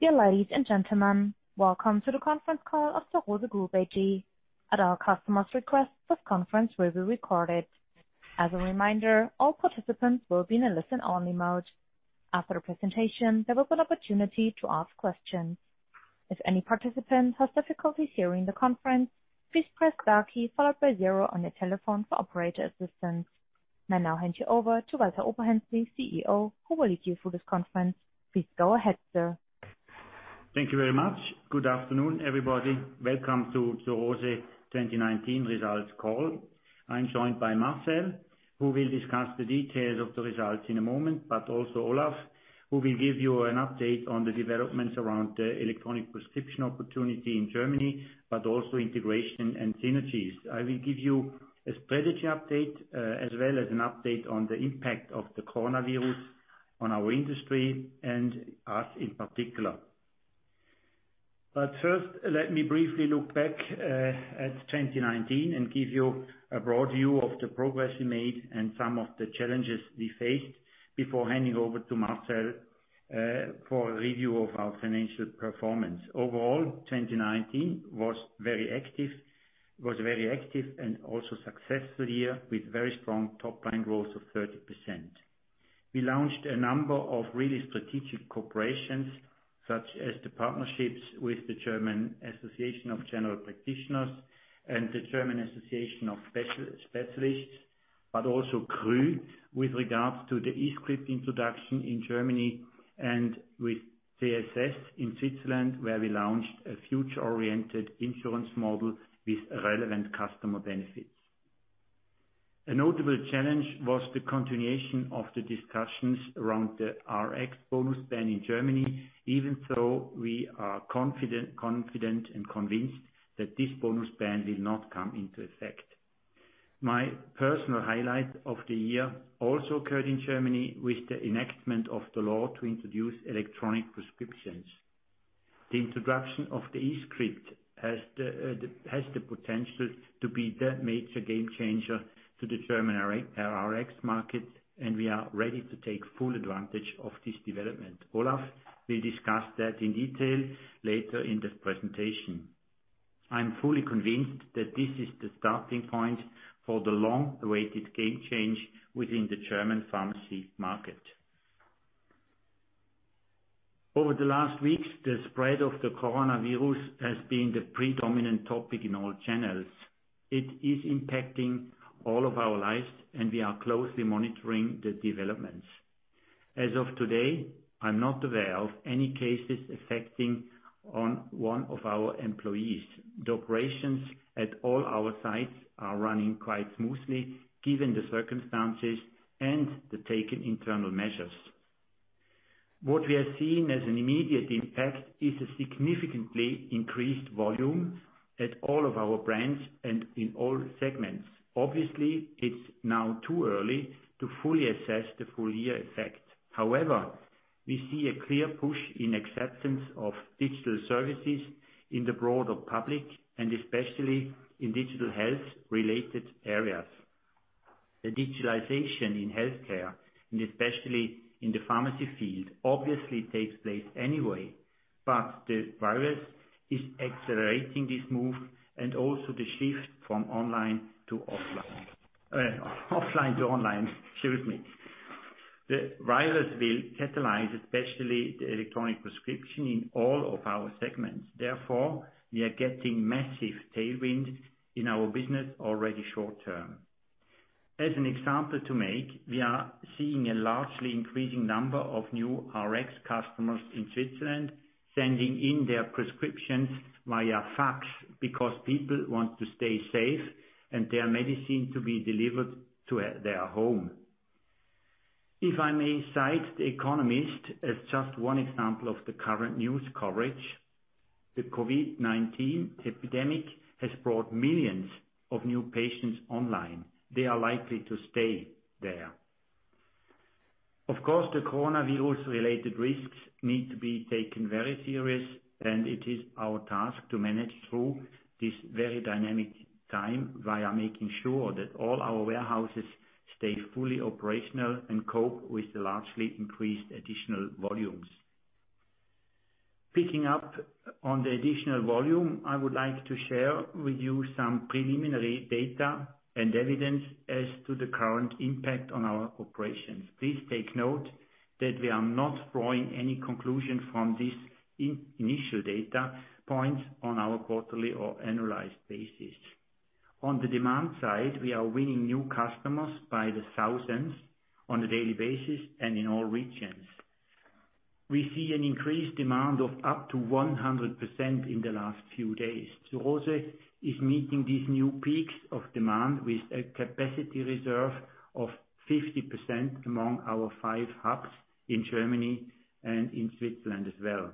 Dear ladies and gentlemen, welcome to the conference call of the DocMorris AG. At our customers' request, this conference will be recorded. As a reminder, all participants will be in a listen-only mode. After the presentation, there will be an opportunity to ask questions. If any participant has difficulties hearing the conference, please press star key followed by zero on your telephone for operator assistance. I now hand you over to Walter Oberhänsli, CEO, who will lead you through this conference. Please go ahead, sir. Thank you very much. Good afternoon, everybody. Welcome to Zur Rose 2019 results call. I'm joined by Marcel, who will discuss the details of the results in a moment, but also Olaf, who will give you an update on the developments around the electronic prescription opportunity in Germany, but also integration and synergies. I will give you a strategy update, as well as an update on the impact of the coronavirus on our industry and us in particular. First, let me briefly look back at 2019 and give you a broad view of the progress we made and some of the challenges we faced before handing over to Marcel for a review of our financial performance. Overall, 2019 was a very active and also successful year with very strong top-line growth of 30%. We launched a number of really strategic cooperations such as the partnerships with the German Association of General Practitioners and the German Association of Specialists, but also Kru with regards to the eScript introduction in Germany and with CSS in Switzerland, where we launched a future-oriented insurance model with relevant customer benefits. A notable challenge was the continuation of the discussions around the Rx bonus ban in Germany, even though we are confident and convinced that this bonus ban will not come into effect. My personal highlight of the year also occurred in Germany with the enactment of the law to introduce electronic prescriptions. The introduction of the eScript has the potential to be the major game changer to the German Rx market, and we are ready to take full advantage of this development. Olaf will discuss that in detail later in the presentation. I'm fully convinced that this is the starting point for the long-awaited game change within the German pharmacy market. Over the last weeks, the spread of the coronavirus has been the predominant topic in all channels. It is impacting all of our lives and we are closely monitoring the developments. As of today, I'm not aware of any cases affecting one of our employees. The operations at all our sites are running quite smoothly given the circumstances and the taken internal measures. What we are seeing as an immediate impact is a significantly increased volume at all of our brands and in all segments. Obviously, it's now too early to fully assess the full year effect. However, we see a clear push in acceptance of digital services in the broader public and especially in digital health-related areas. The digitalization in healthcare, and especially in the pharmacy field, obviously takes place anyway, but the virus is accelerating this move and also the shift from offline to online. The virus will catalyze especially the electronic prescription in all of our segments. Therefore, we are getting massive tailwinds in our business already short-term. As an example to make, we are seeing a largely increasing number of new Rx customers in Switzerland sending in their prescriptions via fax because people want to stay safe and their medicine to be delivered to their home. If I may cite The Economist as just one example of the current news coverage, "The COVID-19 epidemic has brought millions of new patients online. They are likely to stay there. Of course, the coronavirus-related risks need to be taken very serious, and it is our task to manage through this very dynamic time via making sure that all our warehouses stay fully operational and cope with the largely increased additional volumes. Picking up on the additional volume, I would like to share with you some preliminary data and evidence as to the current impact on our operations. Please take note that we are not drawing any conclusion from this initial data point on our quarterly or annualized basis. On the demand side, we are winning new customers by the thousands on a daily basis and in all regions. We see an increased demand of up to 100% in the last few days. Zur Rose is meeting these new peaks of demand with a capacity reserve of 50% among our five hubs in Germany and in Switzerland as well.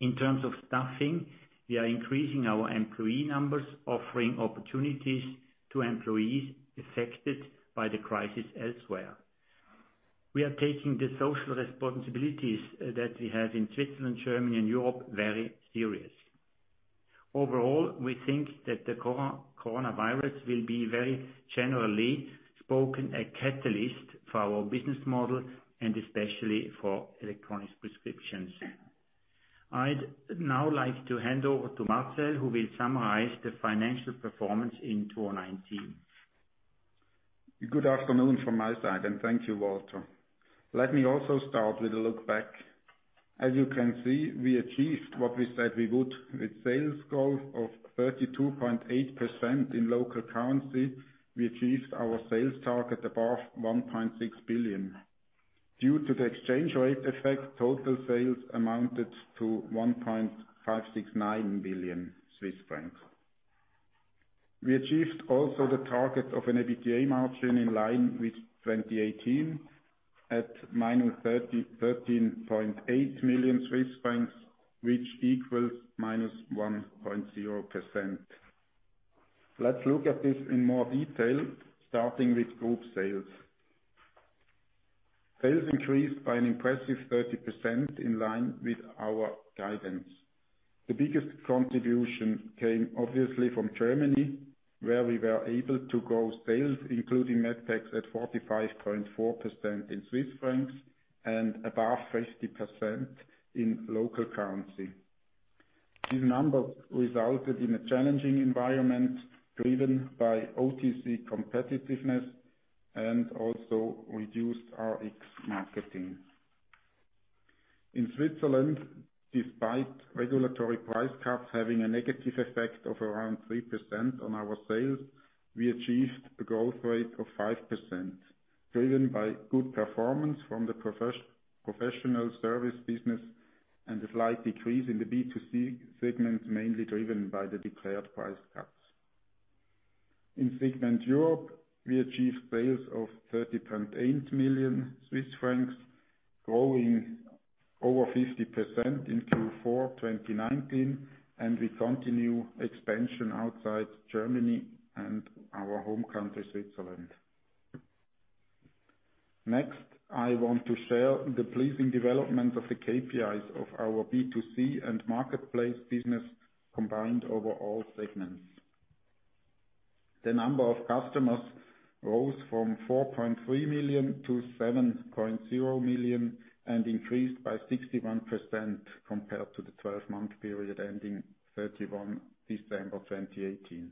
In terms of staffing, we are increasing our employee numbers, offering opportunities to employees affected by the crisis elsewhere. We are taking the social responsibilities that we have in Switzerland, Germany, and Europe very serious. Overall, we think that the coronavirus will be, very generally spoken, a catalyst for our business model and especially for electronic prescriptions. I'd now like to hand over to Marcel, who will summarize the financial performance in 2019. Good afternoon from my side. Thank you, Walter. Let me also start with a look back. As you can see, we achieved what we said we would. With sales growth of 32.8% in local currency, we achieved our sales target above 1.6 billion. Due to the exchange rate effect, total sales amounted to 1.569 billion Swiss francs. We achieved also the target of an EBITDA margin in line with 2018, at minus 13.8 million Swiss francs, which equals -1.0%. Let's look at this in more detail, starting with group sales. Sales increased by an impressive 30%, in line with our guidance. The biggest contribution came obviously from Germany, where we were able to grow sales, including Medpex, at 45.4% in CHF and above 50% in local currency. These numbers resulted in a challenging environment driven by OTC competitiveness and also reduced Rx marketing. In Switzerland, despite regulatory price cuts having a negative effect of around 3% on our sales, we achieved a growth rate of 5%, driven by good performance from the professional service business and a slight decrease in the B2C segment, mainly driven by the declared price cuts. In segment Europe, we achieved sales of 30.8 million Swiss francs, growing over 50% in Q4 2019, and we continue expansion outside Germany and our home country, Switzerland. Next, I want to share the pleasing development of the KPIs of our B2C and marketplace business combined over all segments. The number of customers rose from 4.3 million to 7.0 million and increased by 61% compared to the 12-month period ending 31 December 2018.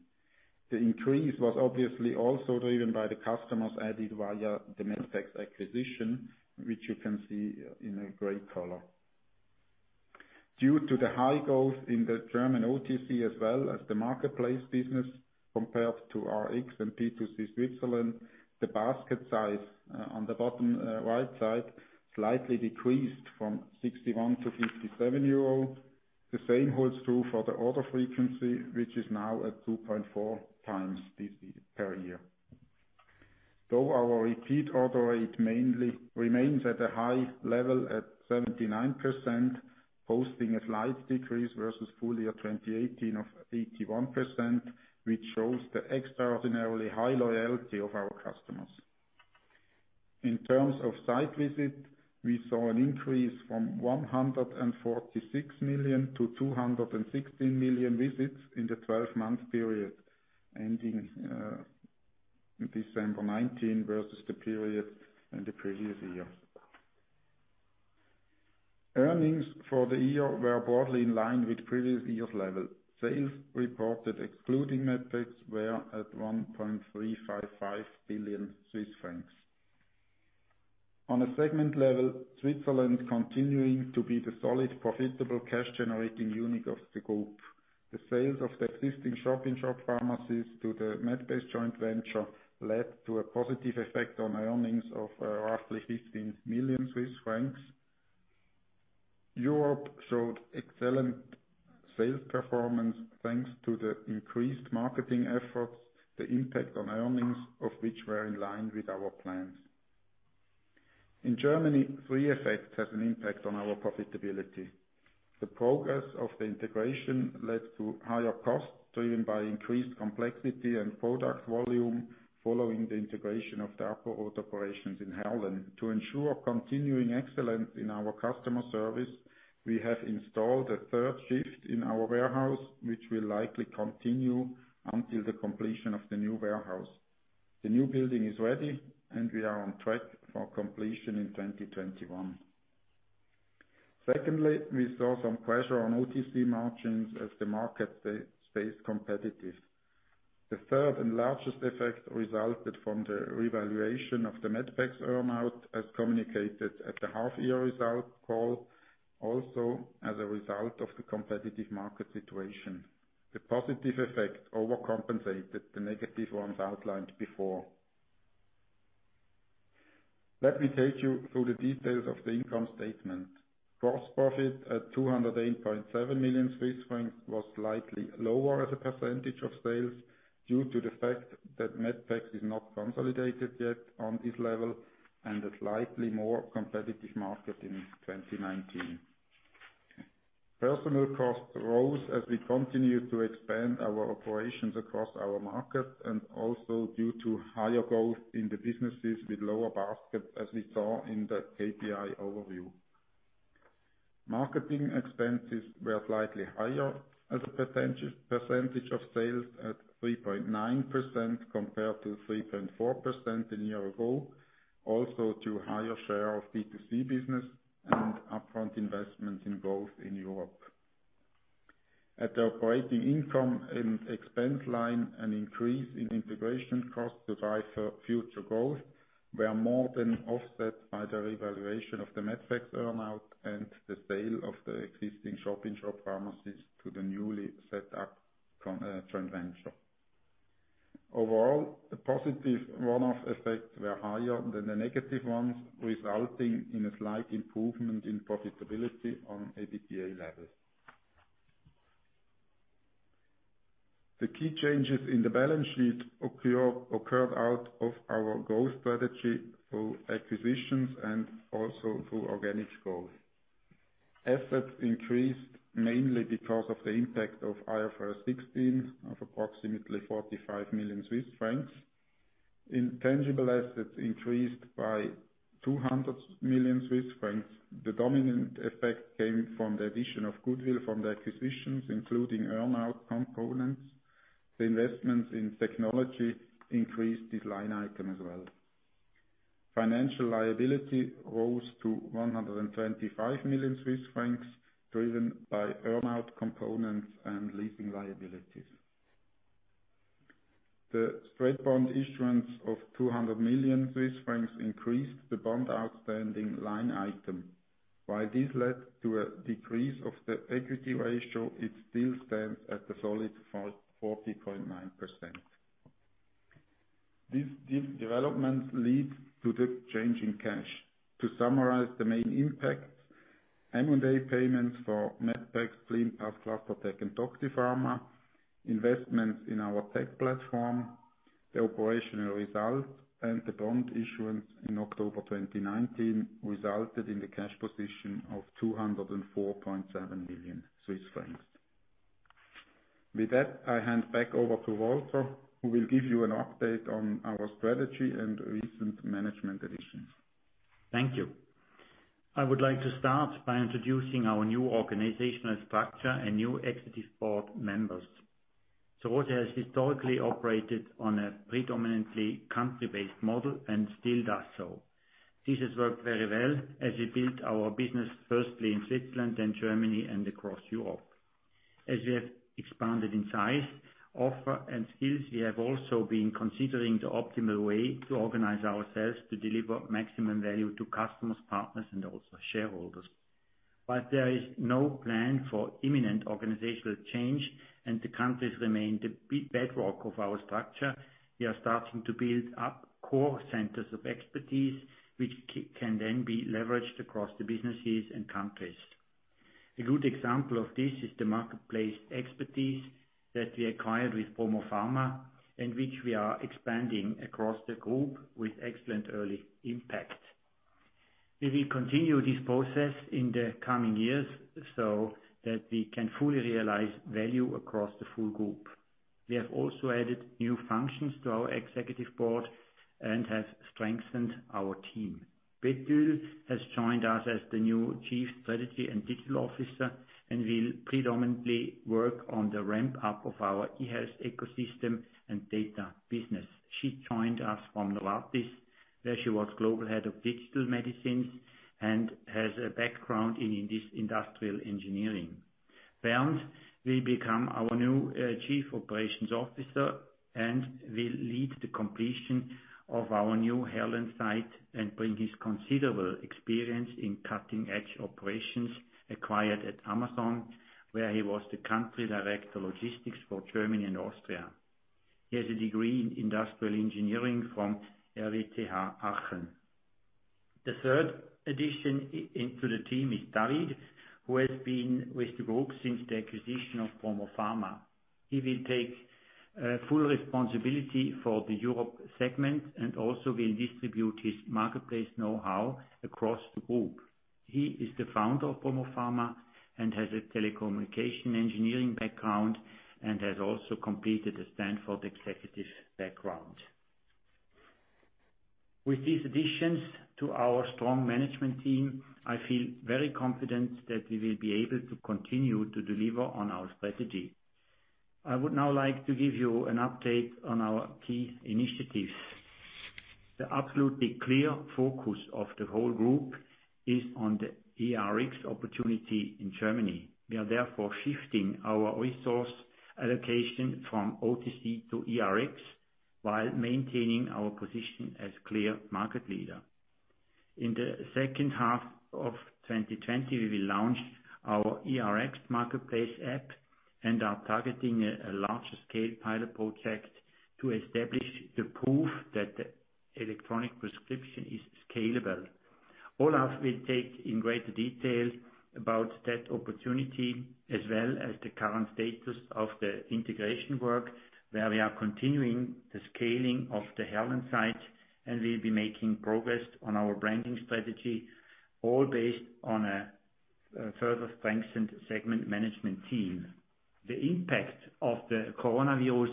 The increase was obviously also driven by the customers added via the Medpex acquisition, which you can see in a gray color. Due to the high growth in the German OTC as well as the marketplace business compared to Rx and B2C Switzerland, the basket size on the bottom right side slightly decreased from 61 to 57 euro. The same holds true for the order frequency, which is now at 2.4x per year. Our repeat order rate remains at a high level at 79%, posting a slight decrease versus full year 2018 of 81%, which shows the extraordinarily high loyalty of our customers. In terms of site visits, we saw an increase from 146 million to 216 million visits in the 12-month period ending December 2019 versus the period in the previous year. Earnings for the year were broadly in line with previous year's level. Sales reported excluding Medpex were at 1.355 billion Swiss francs. On a segment level, Switzerland continuing to be the solid, profitable, cash-generating unit of the group. The sales of the existing shop-in-shop pharmacies to the Medbase joint venture led to a positive effect on earnings of roughly 15 million Swiss francs. Europe showed excellent sales performance, thanks to the increased marketing efforts, the impact on earnings of which were in line with our plans. In Germany, three effects have an impact on our profitability. The progress of the integration led to higher costs driven by increased complexity and product volume following the integration of the apo-rot operations in Heerlen. To ensure continuing excellence in our customer service, we have installed a third shift in our warehouse, which will likely continue until the completion of the new warehouse. The new building is ready, and we are on track for completion in 2021. Secondly, we saw some pressure on OTC margins as the market stays competitive. The third and largest effect resulted from the revaluation of the Medpex earn-out as communicated at the half-year result call, also as a result of the competitive market situation. The positive effect overcompensated the negative ones outlined before. Let me take you through the details of the income statement. Gross profit at 208.7 million Swiss francs was slightly lower as a percentage of sales due to the fact that Medpex is not consolidated yet on this level and a slightly more competitive market in 2019. Personnel costs rose as we continued to expand our operations across our market and also due to higher growth in the businesses with lower basket, as we saw in the KPI overview. Marketing expenses were slightly higher as a percentage of sales at 3.9% compared to 3.4% in year ago, also to higher share of B2C business and upfront investment in growth in Europe. At the operating income and expense line, an increase in integration costs to drive future growth were more than offset by the revaluation of the Medpex earn-out and the sale of the existing shop-in-shop pharmacies to the newly set up joint venture. Overall, the positive one-off effects were higher than the negative ones, resulting in a slight improvement in profitability on EBITDA levels. The key changes in the balance sheet occurred out of our growth strategy through acquisitions and also through organic growth. Assets increased mainly because of the impact of IFRS 16 of approximately 45 million Swiss francs. Intangible assets increased by 200 million Swiss francs. The dominant effect came from the addition of goodwill from the acquisitions, including earn-out components. The investments in technology increased this line item as well. Financial liability rose to 125 million Swiss francs, driven by earn-out components and leasing liabilities. The straight bond issuance of 200 million Swiss francs increased the bond outstanding line item. While this led to a decrease of the equity ratio, it still stands at a solid 40.9%. These developments lead to the change in cash. To summarize the main impact, M&A payments for Medpex, Slimplan, Clostertec, and PromoFarma, investments in our tech platform, the operational result, and the bond issuance in October 2019 resulted in the cash position of 204.7 million Swiss francs. With that, I hand back over to Walter, who will give you an update on our strategy and recent management additions. Thank you. I would like to start by introducing our new organizational structure and new executive board members. Zur Rose has historically operated on a predominantly country-based model and still does so. This has worked very well as we built our business, firstly in Switzerland and Germany, and across Europe. As we have expanded in size, offer and skills, we have also been considering the optimal way to organize ourselves to deliver maximum value to customers, partners, and also shareholders. While there is no plan for imminent organizational change and the countries remain the bedrock of our structure, we are starting to build up core centers of expertise, which can then be leveraged across the businesses and countries. A good example of this is the marketplace expertise that we acquired with PromoFarma, and which we are expanding across the group with excellent early impact. We will continue this process in the coming years so that we can fully realize value across the full group. We have also added new functions to our executive board and have strengthened our team. Betül has joined us as the new Chief Strategy and Digital Officer and will predominantly work on the ramp-up of our e-health ecosystem and data business. She joined us from Novartis, where she was Global Head of Digital Medicines and has a background in industrial engineering. Bernd will become our new Chief Operations Officer and will lead the completion of our new Heerlen site and bring his considerable experience in cutting-edge operations acquired at Amazon, where he was the Country Director Logistics for Germany and Austria. He has a degree in industrial engineering from RWTH Aachen. The third addition into the team is David, who has been with the group since the acquisition of PromoFarma. He will take full responsibility for the Europe segment and also will distribute his marketplace know-how across the group. He is the founder of PromoFarma and has a telecommunication engineering background and has also completed a Stanford executive background. With these additions to our strong management team, I feel very confident that we will be able to continue to deliver on our strategy. I would now like to give you an update on our key initiatives. The absolutely clear focus of the whole group is on the eRx opportunity in Germany. We are therefore shifting our resource allocation from OTC to eRx, while maintaining our position as clear market leader. In the second half of 2020, we will launch our eRx marketplace app and are targeting a larger scale pilot project to establish the proof that electronic prescription is scalable. Olaf will take in greater detail about that opportunity as well as the current status of the integration work, where we are continuing the scaling of the Heerlen site and will be making progress on our branding strategy, all based on A further strengthened segment management team. The impact of the coronavirus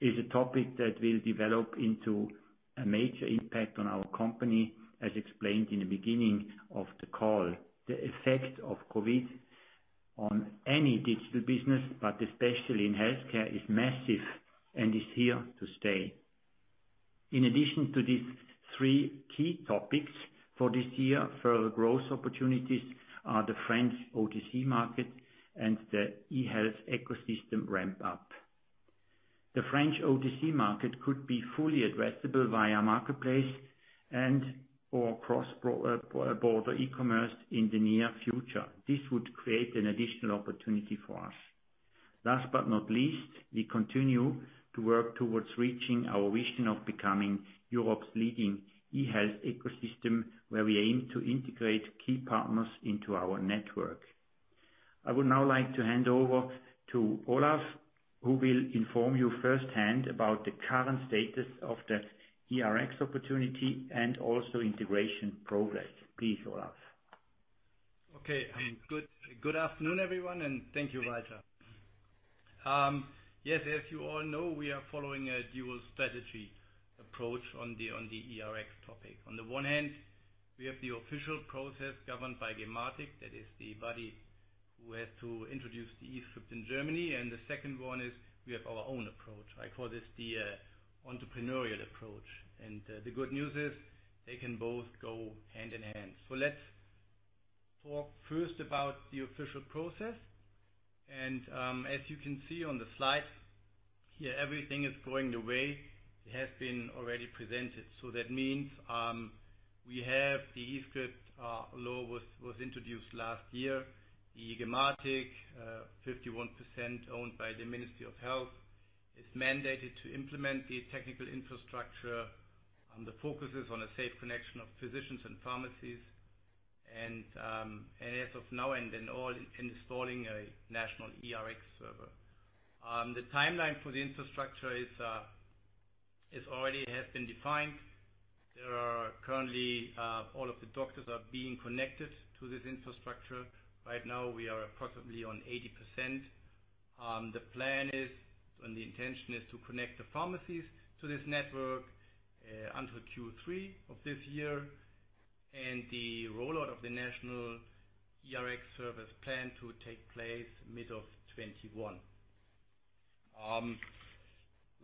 is a topic that will develop into a major impact on our company, as explained in the beginning of the call. The effect of COVID on any digital business, but especially in healthcare, is massive and is here to stay. In addition to these three key topics for this year, further growth opportunities are the French OTC market and the eHealth ecosystem ramp up. The French OTC market could be fully addressable via marketplace and/or cross-border e-commerce in the near future. This would create an additional opportunity for us. Last but not least, we continue to work towards reaching our vision of becoming Europe's leading eHealth ecosystem, where we aim to integrate key partners into our network. I would now like to hand over to Olaf, who will inform you firsthand about the current status of the eRx opportunity and also integration progress. Please, Olaf. Okay. Good afternoon, everyone, and thank you, Walter. Yes, as you all know, we are following a dual strategy approach on the eRx topic. On the one hand, we have the official process governed by gematik. That is the body who has to introduce the eScript in Germany. The second one is we have our own approach. I call this the entrepreneurial approach. The good news is they can both go hand in hand. Let's talk first about the official process. As you can see on the slide here, everything is going the way it has been already presented. That means we have the eScript law was introduced last year. The gematik, 51% owned by the Ministry of Health, is mandated to implement the technical infrastructure. The focus is on a safe connection of physicians and pharmacies, and as of now, and installing a national eRx server. The timeline for the infrastructure already has been defined. Currently all of the doctors are being connected to this infrastructure. Right now, we are approximately on 80%. The plan is, and the intention is to connect the pharmacies to this network until Q3 of this year, and the rollout of the national eRx service planned to take place mid of 2021.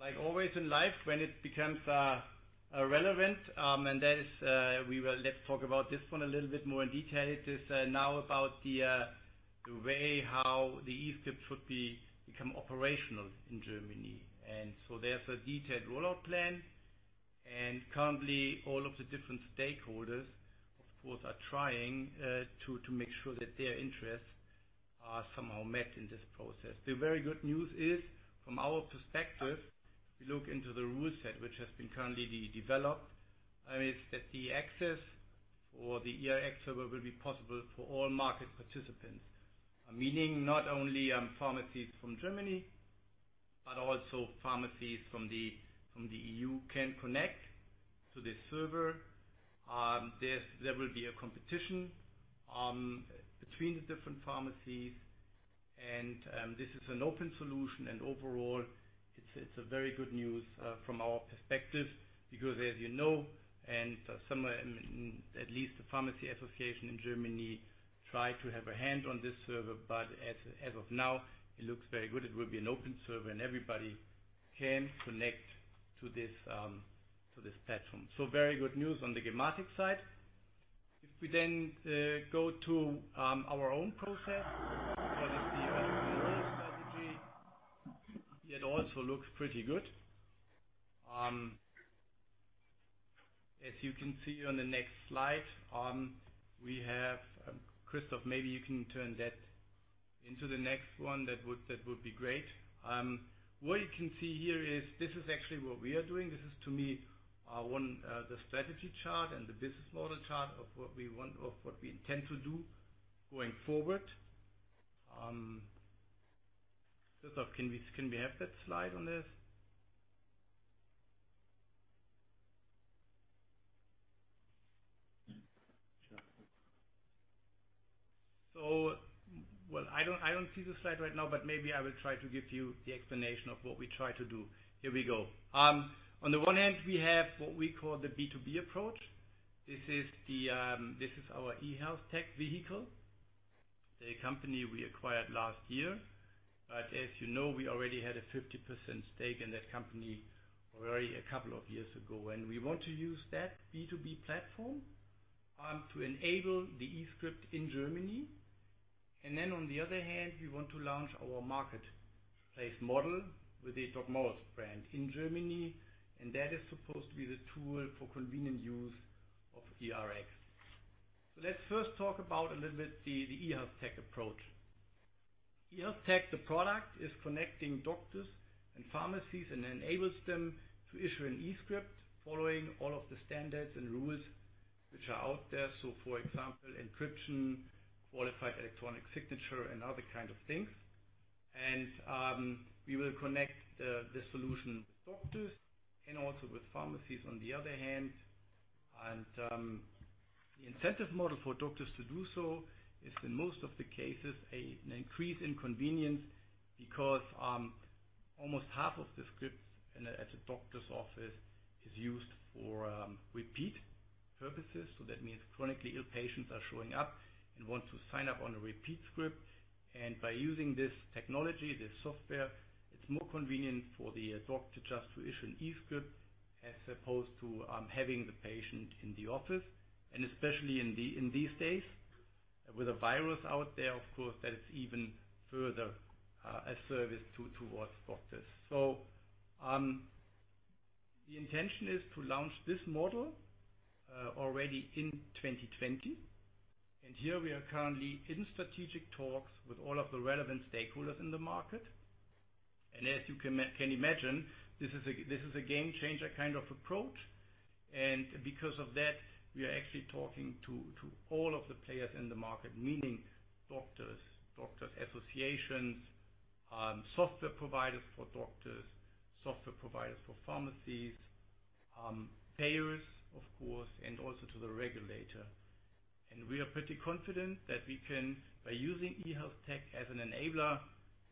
Like always in life, when it becomes relevant, let's talk about this one a little bit more in detail. It is now about the way how the eScript should become operational in Germany. There's a detailed rollout plan, and currently all of the different stakeholders, of course, are trying to make sure that their interests are somehow met in this process. The very good news is, from our perspective, we look into the rule set, which has been currently developed. I mean, it's that the access for the eRx server will be possible for all market participants. Meaning not only pharmacies from Germany, but also pharmacies from the E.U. can connect to this server. There will be a competition between the different pharmacies, this is an open solution. Overall, it's a very good news from our perspective because as you know, and somewhere at least the pharmacy association in Germany tried to have a hand on this server. As of now, it looks very good. It will be an open server and everybody can connect to this platform. Very good news on the gematik side. If we then go to our own process that is the entrepreneurial strategy, it also looks pretty good. As you can see on the next slide, we have Christoph, maybe you can turn that into the next one. That would be great. What you can see here is this is actually what we are doing. This is to me, one, the strategy chart and the business model chart of what we intend to do going forward. Christoph, can we have that slide on this? Well, I don't see the slide right now, but maybe I will try to give you the explanation of what we try to do. Here we go. On the one hand, we have what we call the B2B approach. This is our eHealth-Tec vehicle, the company we acquired last year. As you know, we already had a 50% stake in that company already a couple of years ago. We want to use that B2B platform to enable the eScript in Germany. On the other hand, we want to launch our marketplace model with the DocMorris brand in Germany, and that is supposed to be the tool for convenient use of eRx. Let's first talk about a little bit the eHealth-Tec approach. eHealth-Tec, the product, is connecting doctors and pharmacies and enables them to issue an eScript following all of the standards and rules which are out there. For example, encryption, qualified electronic signature, and other kind of things. We will connect the solution with doctors and also with pharmacies on the other hand. The incentive model for doctors to do so is in most of the cases an increase in convenience because almost half of the scripts at a doctor's office is used for repeat purposes. That means chronically ill patients are showing up and want to sign up on a repeat script. By using this technology, this software, it is more convenient for the doctor just to issue an eScript as opposed to having the patient in the office. Especially in these days with a virus out there, of course, that is even further a service towards doctors. The intention is to launch this model already in 2020. Here we are currently in strategic talks with all of the relevant stakeholders in the market. As you can imagine, this is a game-changer kind of approach. Because of that, we are actually talking to all of the players in the market, meaning doctors associations, software providers for doctors, software providers for pharmacies, payers of course, and also to the regulator. We are pretty confident that we can, by using eHealth-Tec as an enabler,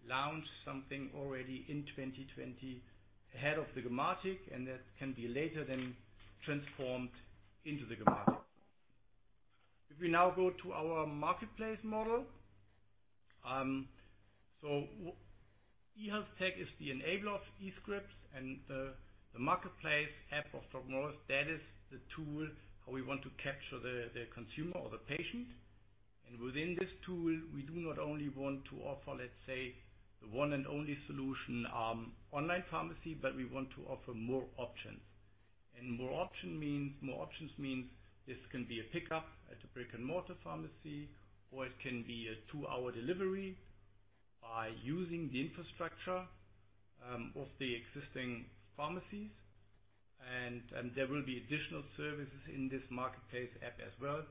launch something already in 2020 ahead of the gematik, and that can be later transformed into the gematik. If we now go to our marketplace model. eHealth-Tec is the enabler of e-scripts and the marketplace app of DocMorris, that is the tool how we want to capture the consumer or the patient. Within this tool, we do not only want to offer, let's say, the one and only solution online pharmacy, but we want to offer more options. More options means this can be a pickup at a brick-and-mortar pharmacy, or it can be a two-hour delivery by using the infrastructure of the existing pharmacies. There will be additional services in this marketplace app as well.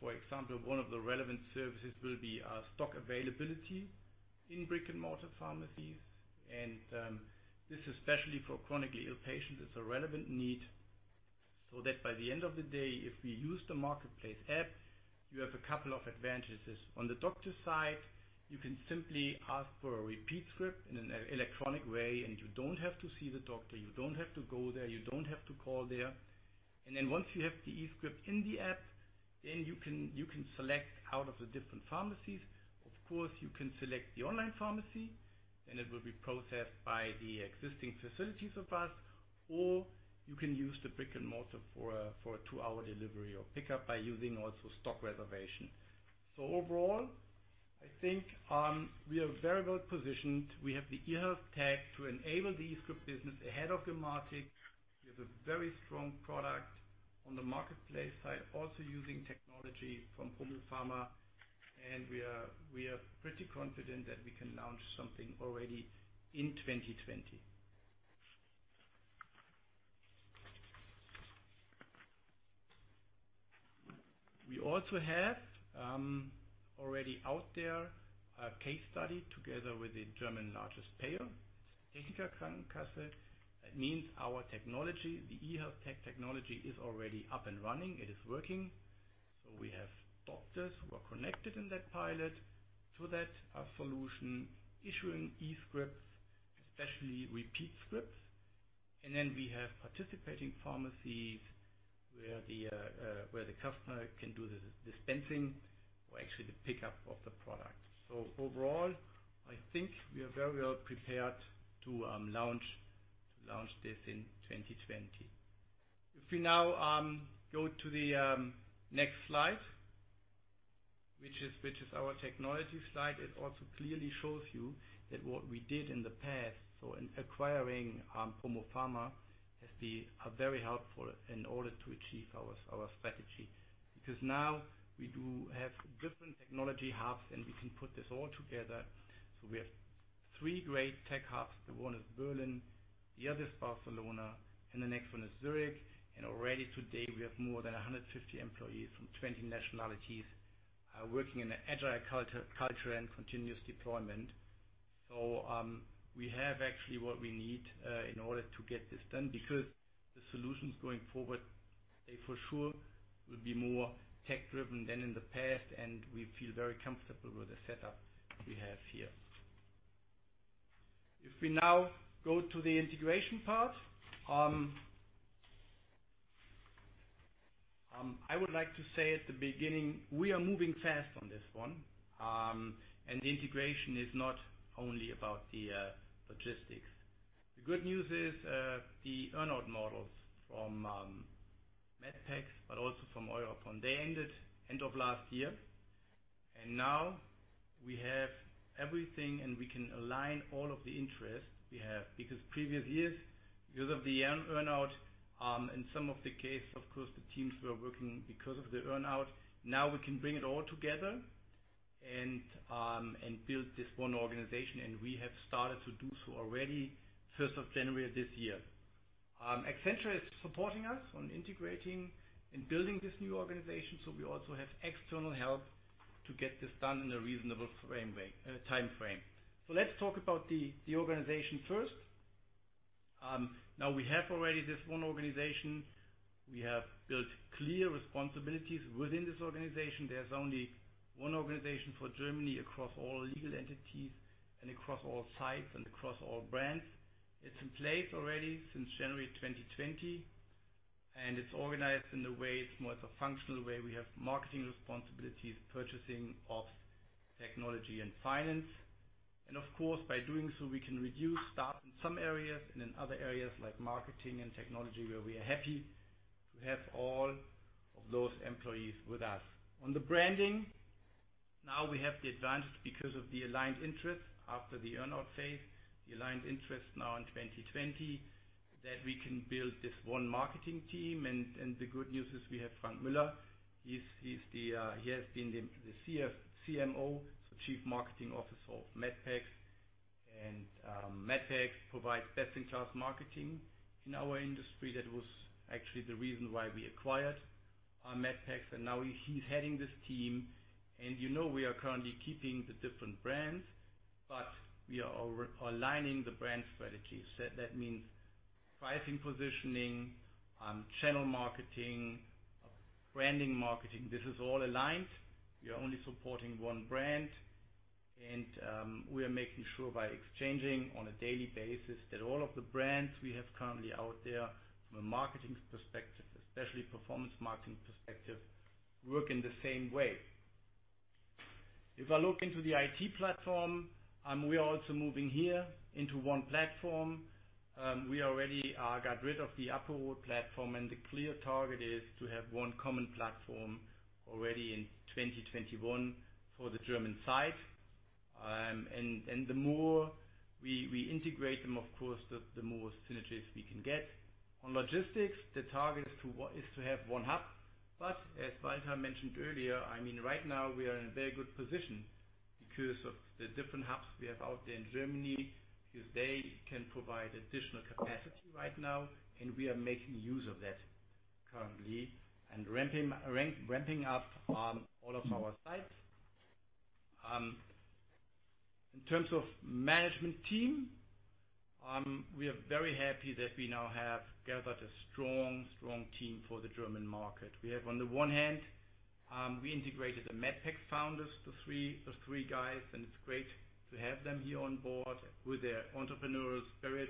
For example, one of the relevant services will be stock availability in brick-and-mortar pharmacies. This, especially for chronically ill patients, is a relevant need, so that by the end of the day if we use the marketplace app, you have a couple of advantages. On the doctor side, you can simply ask for a repeat script in an electronic way, and you don't have to see the doctor, you don't have to go there, you don't have to call there. Once you have the e-script in the app, then you can select out of the different pharmacies. Of course, you can select the online pharmacy, then it will be processed by the existing facilities of us, or you can use the brick-and-mortar for a two-hour delivery or pickup by using also stock reservation. Overall, I think we are very well positioned. We have the eHealth-Tec to enable the e-script business ahead of the market. We have a very strong product on the marketplace side, also using technology from PromoFarma. We are pretty confident that we can launch something already in 2020. We also have already out there a case study together with the German largest payer, Techniker Krankenkasse. That means our technology, the eHealth-Tec technology is already up and running. It is working. We have doctors who are connected in that pilot to that solution, issuing e-scripts, especially repeat scripts. We have participating pharmacies where the customer can do the dispensing or actually the pickup of the product. Overall, I think we are very well prepared to launch this in 2020. If we now go to the next slide, which is our technology slide. It also clearly shows you that what we did in the past. In acquiring PromoFarma has been very helpful in order to achieve our strategy because now we do have different technology hubs, and we can put this all together. We have three great tech hubs. One is Berlin, the other is Barcelona, and the next one is Zurich. Already today we have more than 150 employees from 20 nationalities working in an agile culture and continuous deployment. We have actually what we need in order to get this done because the solutions going forward, they for sure will be more tech-driven than in the past, and we feel very comfortable with the setup we have here. If we now go to the integration part. I would like to say at the beginning, we are moving fast on this one. The integration is not only about the logistics. The good news is the earn-out models from Medpex, but also from Europe, they ended end of last year. Now we have everything and we can align all of the interests we have because previous years, because of the earn-out, in some of the case, of course, the teams were working because of the earn-out. Now we can bring it all together and build this one organization. We have started to do so already first of January of this year. Accenture is supporting us on integrating and building this new organization. We also have external help to get this done in a reasonable timeframe. Let's talk about the organization first. Now we have already this one organization. We have built clear responsibilities within this organization. There's only one organization for Germany across all legal entities and across all sites and across all brands. It's in place already since January 2020, it's organized in the way, it's more of a functional way. We have marketing responsibilities, purchasing of technology and finance. Of course, by doing so, we can reduce staff in some areas and in other areas like marketing and technology, where we are happy to have all of those employees with us. On the branding, now we have the advantage because of the aligned interest after the earn-out phase, the aligned interest now in 2020, that we can build this one marketing team. The good news is we have Frank Müller. He has been the CMO, so Chief Marketing Officer of Medpex. Medpex provides best-in-class marketing in our industry. That was actually the reason why we acquired Medpex, now he's heading this team. You know we are currently keeping the different brands, but we are aligning the brand strategies. That means pricing, positioning, channel marketing, branding marketing. This is all aligned. We are only supporting one brand. We are making sure by exchanging on a daily basis that all of the brands we have currently out there from a marketing perspective, especially performance marketing perspective, work in the same way. If I look into the IT platform, we are also moving here into one platform. We already got rid of the apo-rot platform, and the clear target is to have one common platform already in 2021 for the German side. The more we integrate them, of course, the more synergies we can get. On logistics, the target is to have one hub. As Walter mentioned earlier, right now we are in a very good position because of the different hubs we have out there in Germany, because they can provide additional capacity right now, and we are making use of that currently and ramping up on all of our sites. In terms of management team, we are very happy that we now have gathered a strong team for the German market. We have on the one hand, we integrated the Medpex founders, the three guys, and it's great to have them here on board with their entrepreneurial spirit.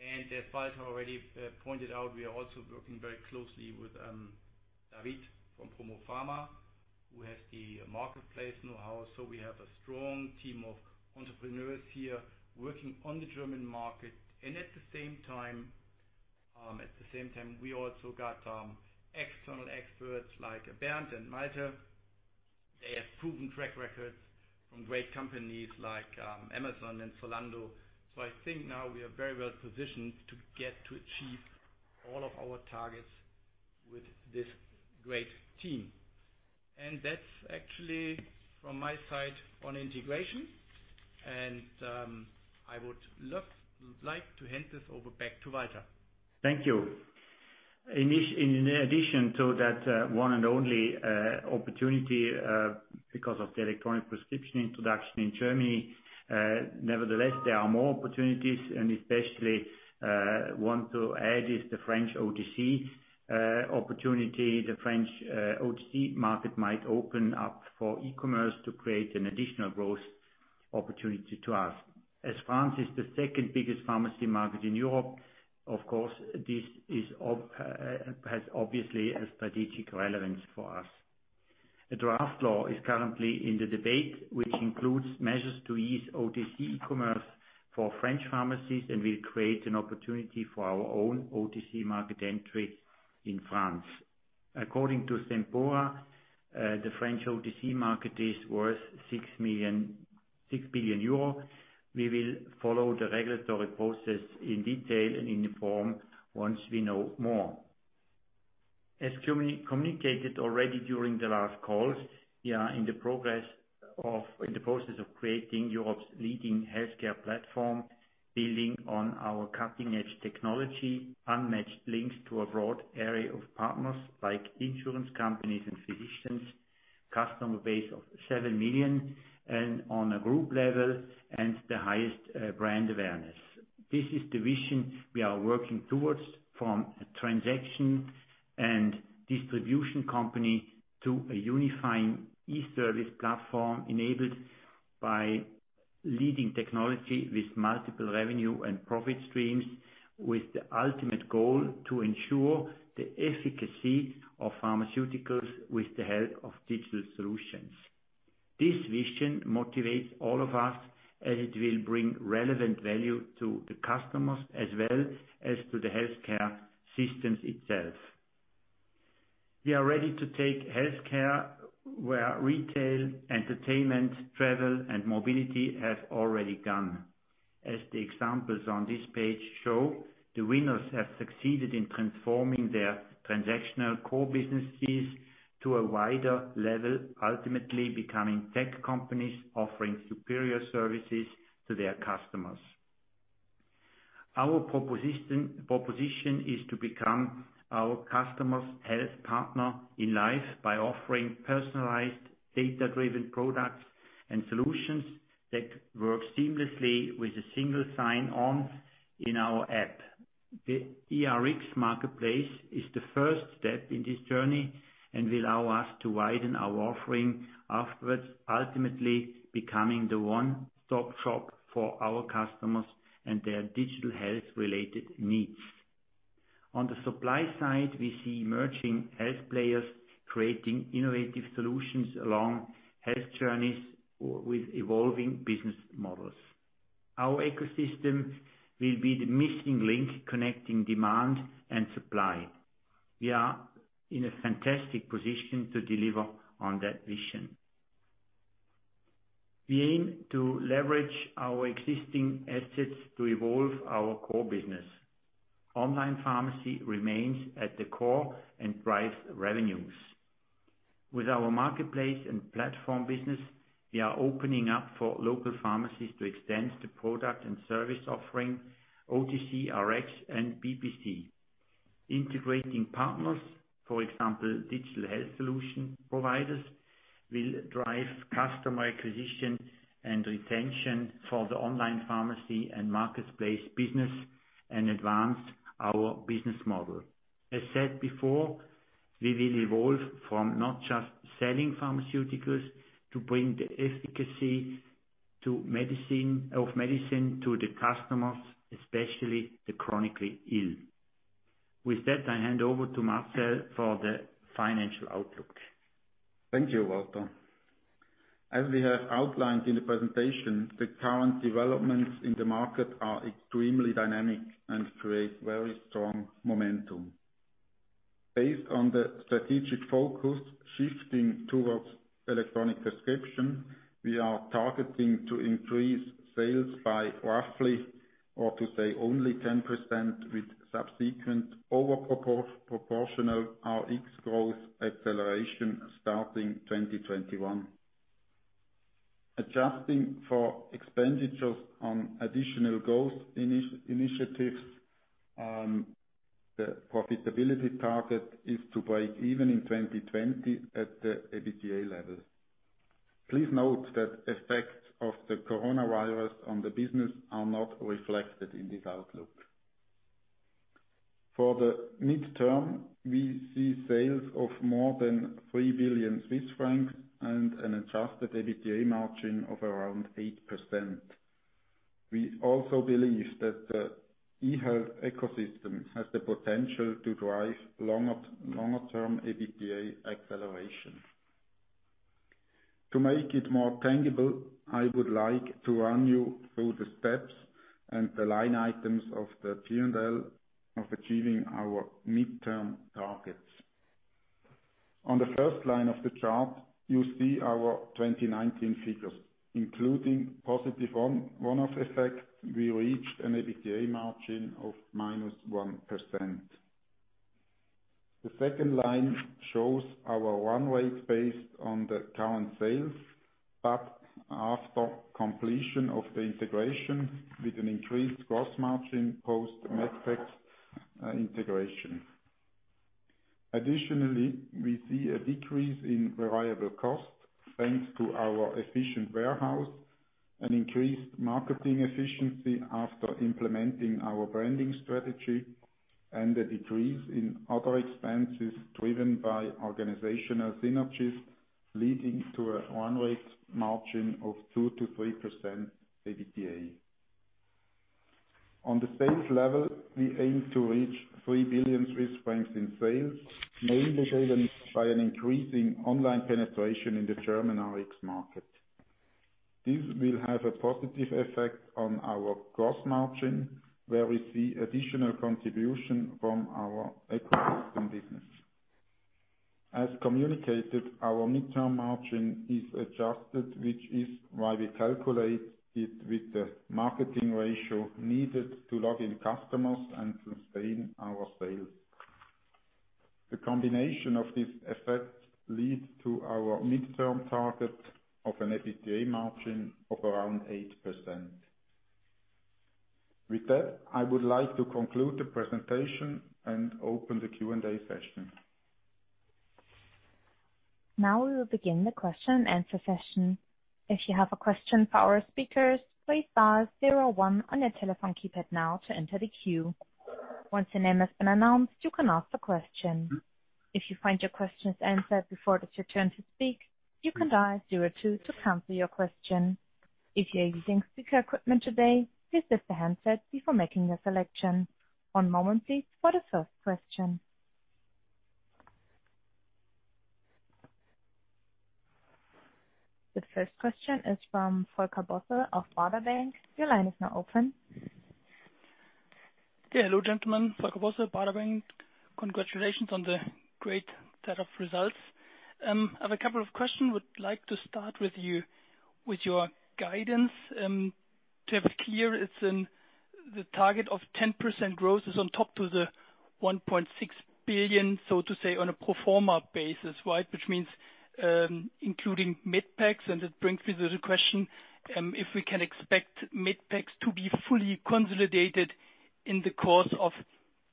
As Walter already pointed out, we are also working very closely with David from PromoFarma, who has the marketplace knowhow. We have a strong team of entrepreneurs here working on the German market. At the same time, we also got external experts like Bernd and Malte. They have proven track records from great companies like Amazon and Zalando. I think now we are very well positioned to achieve all of our targets with this great team. That's actually from my side on integration. I would like to hand this over back to Walter. Thank you. In addition to that, one and only opportunity, because of the electronic prescription introduction in Germany. Nevertheless, there are more opportunities and especially, I want to add is the French OTC opportunity. The French OTC market might open up for e-commerce to create an additional growth opportunity to us. As France is the second biggest pharmacy market in Europe, of course, this has obviously a strategic relevance for us. A draft law is currently in the debate, which includes measures to ease OTC e-commerce for French pharmacies and will create an opportunity for our own OTC market entry in France. According to Sempora, the French OTC market is worth 6 billion euro. We will follow the regulatory process in detail and inform once we know more. As communicated already during the last calls, we are in the process of creating Europe's leading healthcare platform, building on our cutting-edge technology, unmatched links to a broad array of partners like insurance companies and physicians, customer base of 7 million and on a group level, and the highest brand awareness. This is the vision we are working towards from a transaction and distribution company to a unifying e-service platform enabled by leading technology with multiple revenue and profit streams, with the ultimate goal to ensure the efficacy of pharmaceuticals with the help of digital solutions. This vision motivates all of us as it will bring relevant value to the customers as well as to the healthcare systems itself. We are ready to take healthcare where retail, entertainment, travel, and mobility have already gone. As the examples on this page show, the winners have succeeded in transforming their transactional core businesses to a wider level, ultimately becoming tech companies offering superior services to their customers. Our proposition is to become our customer's health partner in life by offering personalized data-driven products and solutions that work seamlessly with a single sign-on in our app. The eRx marketplace is the first step in this journey and will allow us to widen our offering afterwards, ultimately becoming the one-stop shop for our customers and their digital health-related needs. On the supply side, we see emerging health players creating innovative solutions along health journeys with evolving business models. Our ecosystem will be the missing link, connecting demand and supply. We are in a fantastic position to deliver on that vision. We aim to leverage our existing assets to evolve our core business. Online pharmacy remains at the core and drives revenues. With our marketplace and platform business, we are opening up for local pharmacies to extend the product and service offering OTC, Rx, and BPC. Integrating partners, for example, digital health solution providers, will drive customer acquisition and retention for the online pharmacy and marketplace business and advance our business model. As said before, we will evolve from not just selling pharmaceuticals to bring the efficacy of medicine to the customers, especially the chronically ill. With that, I hand over to Marcel for the financial outlook. Thank you, Walter. As we have outlined in the presentation, the current developments in the market are extremely dynamic and create very strong momentum. Based on the strategic focus shifting towards electronic prescription, we are targeting to increase sales by roughly, or to say, only 10%, with subsequent over-proportional Rx growth acceleration starting 2021. Adjusting for expenditures on additional growth initiatives, the profitability target is to break even in 2020 at the EBITDA level. Please note that effects of the coronavirus on the business are not reflected in this outlook. For the midterm, we see sales of more than 3 billion Swiss francs and an adjusted EBITDA margin of around 8%. We also believe that the eHealth ecosystem has the potential to drive longer-term EBITDA acceleration. To make it more tangible, I would like to run you through the steps and the line items of the P&L of achieving our midterm targets. On the first line of the chart, you see our 2019 figures, including positive one-off effects, we reached an EBITDA margin of -1%. The second line shows our run rate based on the current sales, but after completion of the integration with an increased gross margin post Medpex integration. Additionally, we see a decrease in variable cost, thanks to our efficient warehouse and increased marketing efficiency after implementing our branding strategy and a decrease in other expenses driven by organizational synergies, leading to a run rate margin of 2%-3% EBITDA. On the sales level, we aim to reach 3 billion Swiss francs in sales, mainly driven by an increase in online penetration in the German Rx market. This will have a positive effect on our gross margin, where we see additional contribution from our ecosystem business. As communicated, our midterm margin is adjusted, which is why we calculate it with the marketing ratio needed to log in customers and sustain our sales. The combination of these effects leads to our midterm target of an EBITDA margin of around 8%. With that, I would like to conclude the presentation and open the Q&A session. Now we will begin the question and answer session. If you have a question for our speakers, please dial zero one on your telephone keypad now to enter the queue. Once your name has been announced, you can ask the question. If you find your questions answered before it's your turn to speak, you can dial zero two to cancel your question. If you are using speaker equipment today, please lift the handset before making your selection. One moment please for the first question. The first question is from Volker Bosse of Baader Bank. Your line is now open. Yeah, hello, gentlemen. Volker Bosse, Baader Bank. Congratulations on the great set of results. I have a couple of questions. I would like to start with your guidance. To have it clear, the target of 10% growth is on top to the 1.6 billion, so to say, on a pro forma basis, right? Which means, including Medpex, that brings me to the question, if we can expect Medpex to be fully consolidated in the course of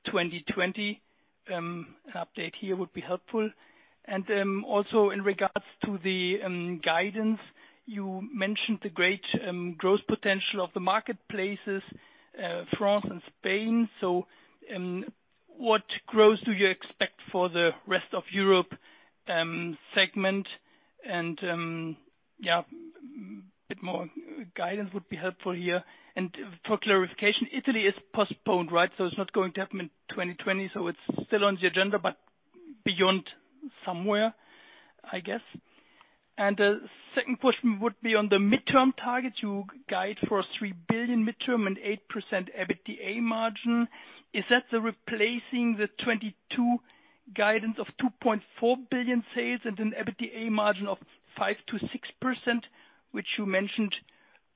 2020? An update here would be helpful. Also in regards to the guidance, you mentioned the great growth potential of the marketplaces France and Spain. What growth do you expect for the rest of Europe segment? A bit more guidance would be helpful here. For clarification, Italy is postponed, right? It's not going to happen in 2020. It's still on the agenda, but beyond somewhere, I guess. The second question would be on the midterm targets. You guide for a 3 billion midterm and 8% EBITDA margin. Is that replacing the 2022 guidance of 2.4 billion sales and an EBITDA margin of 5%-6%, which you mentioned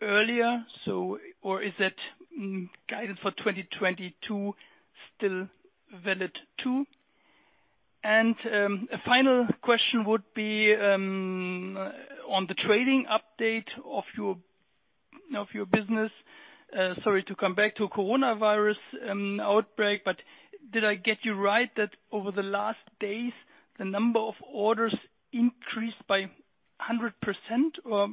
earlier, or is that guidance for 2022 still valid too? A final question would be on the trading update of your business. Sorry to come back to coronavirus outbreak. Did I get you right that over the last days, the number of orders increased by 100%? A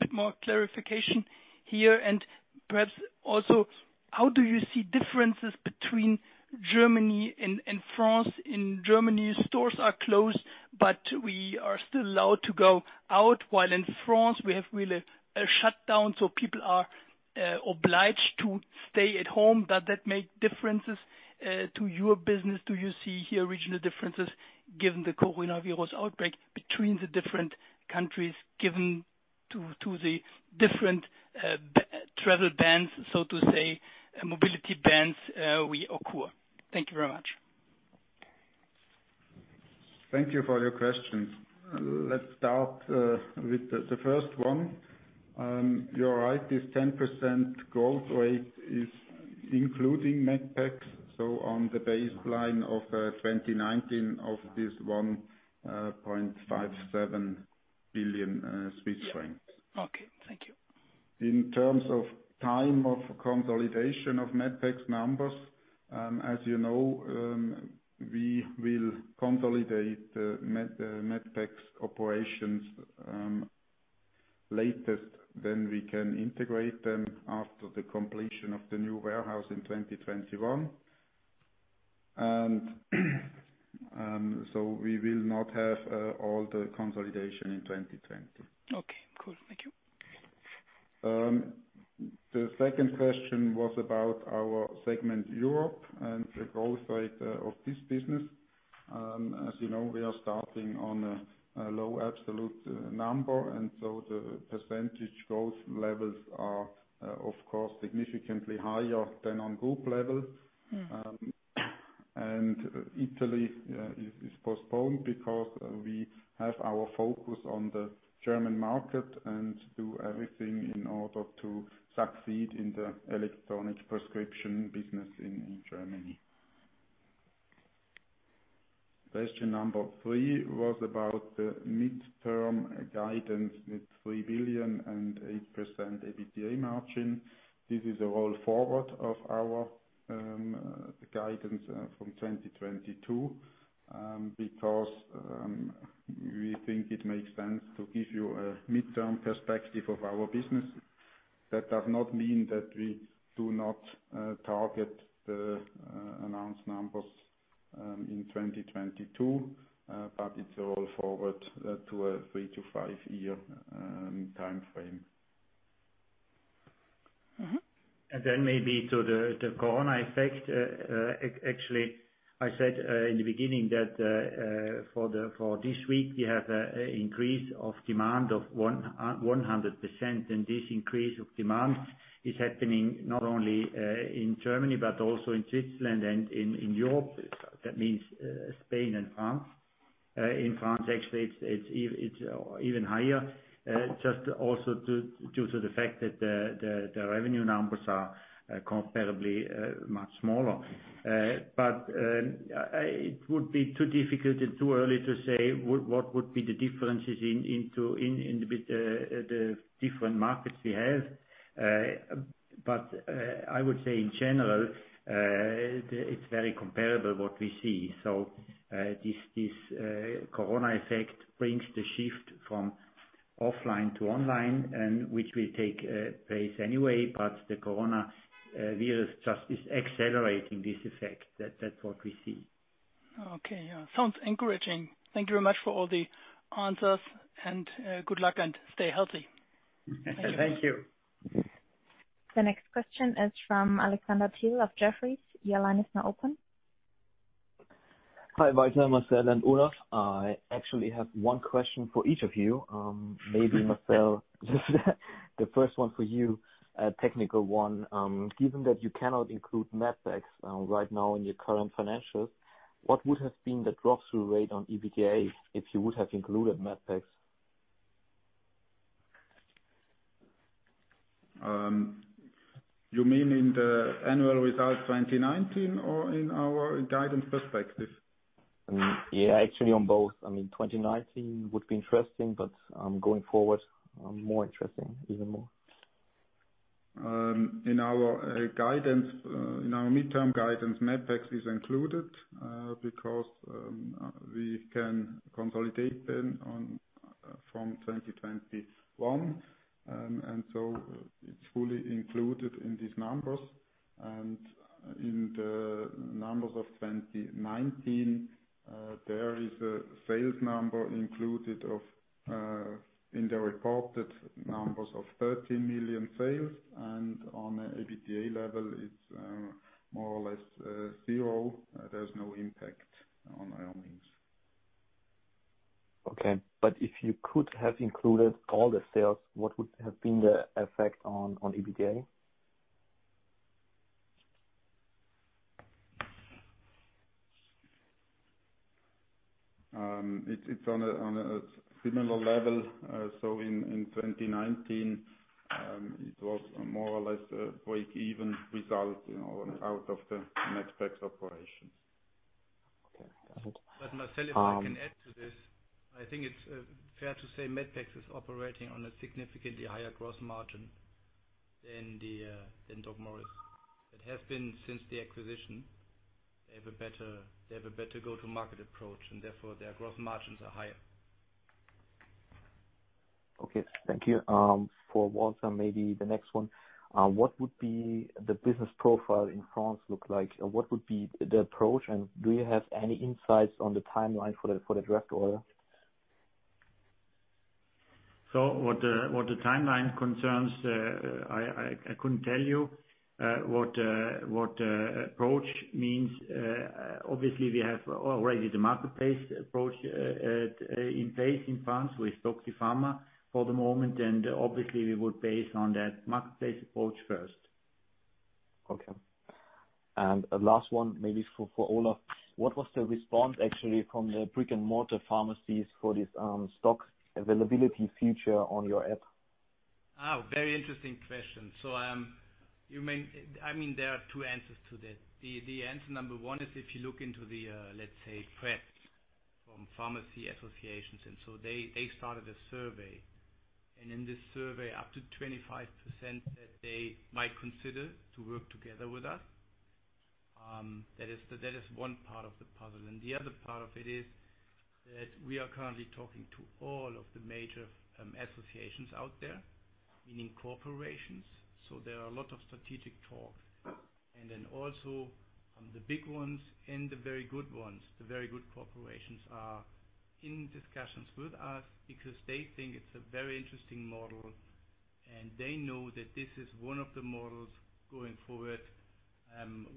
bit more clarification here, and perhaps also, how do you see differences between Germany and France? In Germany, stores are closed. We are still allowed to go out, while in France we have really a shutdown. People are obliged to stay at home. Does that make differences to your business? Do you see here regional differences given the coronavirus outbreak between the different countries, given to the different travel bans, so to say, mobility bans, will occur? Thank you very much. Thank you for your questions. Let's start with the first one. You're right, this 10% growth rate is including Medpex, so on the baseline of 2019 of this 1.57 billion Swiss francs. Okay. Thank you. In terms of time of consolidation of Medpex numbers, as you know, we will consolidate Medpex operations latest than we can integrate them after the completion of the new warehouse in 2021. We will not have all the consolidation in 2020. Okay, cool. Thank you. The second question was about our segment, Europe, and the growth rate of this business. As you know, we are starting on a low absolute number, and so the % growth levels are, of course, significantly higher than on group level. Italy is postponed because we have our focus on the German market and do everything in order to succeed in the electronic prescription business in Germany. Question number three was about the midterm guidance with 3 billion and 8% EBITDA margin. This is a roll forward of our guidance from 2022, because we think it makes sense to give you a midterm perspective of our business. That does not mean that we do not target the announced numbers in 2022. It's a roll forward to a three to five year timeframe. Then maybe to the corona effect. Actually, I said in the beginning that for this week, we have an increase of demand of 100%. This increase of demand is happening not only in Germany, but also in Switzerland and in Europe. That means Spain and France. In France, actually, it's even higher. Just also due to the fact that the revenue numbers are comparably much smaller. It would be too difficult and too early to say what would be the differences in the different markets we have. I would say in general, it's very comparable what we see. This corona effect brings the shift from offline to online, and which will take place anyway, but the coronavirus just is accelerating this effect. That's what we see. Okay. Sounds encouraging. Thank you very much for all the answers, and good luck and stay healthy. Thank you. Thank you. The next question is from Alexander Thiel of Jefferies. Your line is now open. Hi, Walter, Marcel, and Olaf. I actually have one question for each of you. Maybe Marcel, the first one for you, a technical one. Given that you cannot include Medpex right now in your current financials, what would have been the drop-through rate on EBITDA if you would have included Medpex? You mean in the annual results 2019 or in our guidance perspective? Yeah, actually, on both. 2019 would be interesting, but going forward, more interesting, even more. In our mid-term guidance, Medpex is included because we can consolidate them from 2021. It's fully included in these numbers. In the numbers of 2019, there is a sales number included in the reported numbers of 13 million sales, and on the EBITDA level, it's more or less zero. There's no impact on our earnings. Okay. If you could have included all the sales, what would have been the effect on EBITDA? It's on a similar level. In 2019, it was more or less a break-even result out of the Medpex operations. Okay, got it. Marcel, if I can add to this. I think it's fair to say Medpex is operating on a significantly higher gross margin than DocMorris. It has been since the acquisition. They have a better go-to-market approach. Therefore, their gross margins are higher. Okay, thank you. For Walter, maybe the next one. What would be the business profile in France look like? What would be the approach, and do you have any insights on the timeline for the draft order? What the timeline concerns, I couldn't tell you. What approach means, obviously we have already the marketplace approach in place in France with DoctiPharma for the moment. Obviously, we would base on that marketplace approach first. Okay. Last one, maybe for Olaf, what was the response actually from the brick-and-mortar pharmacies for this stock availability feature on your app? Oh, very interesting question. There are two answers to that. The answer number one is if you look into the, let's say, press from pharmacy associations. They started a survey, and in this survey, up to 25% said they might consider to work together with us. That is one part of the puzzle. The other part of it is that we are currently talking to all of the major associations out there, meaning corporations. There are a lot of strategic talks. Also the big ones and the very good ones. The very good corporations are in discussions with us because they think it's a very interesting model, and they know that this is one of the models going forward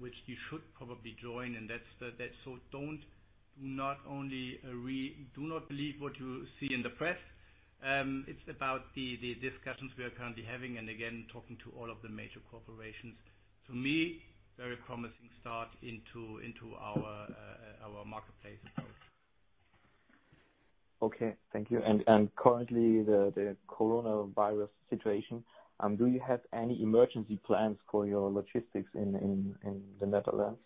which you should probably join. Do not believe what you see in the press. It's about the discussions we are currently having and again, talking to all of the major corporations. To me, very promising start into our marketplace approach. Okay, thank you. Currently, the coronavirus situation, do you have any emergency plans for your logistics in the Netherlands?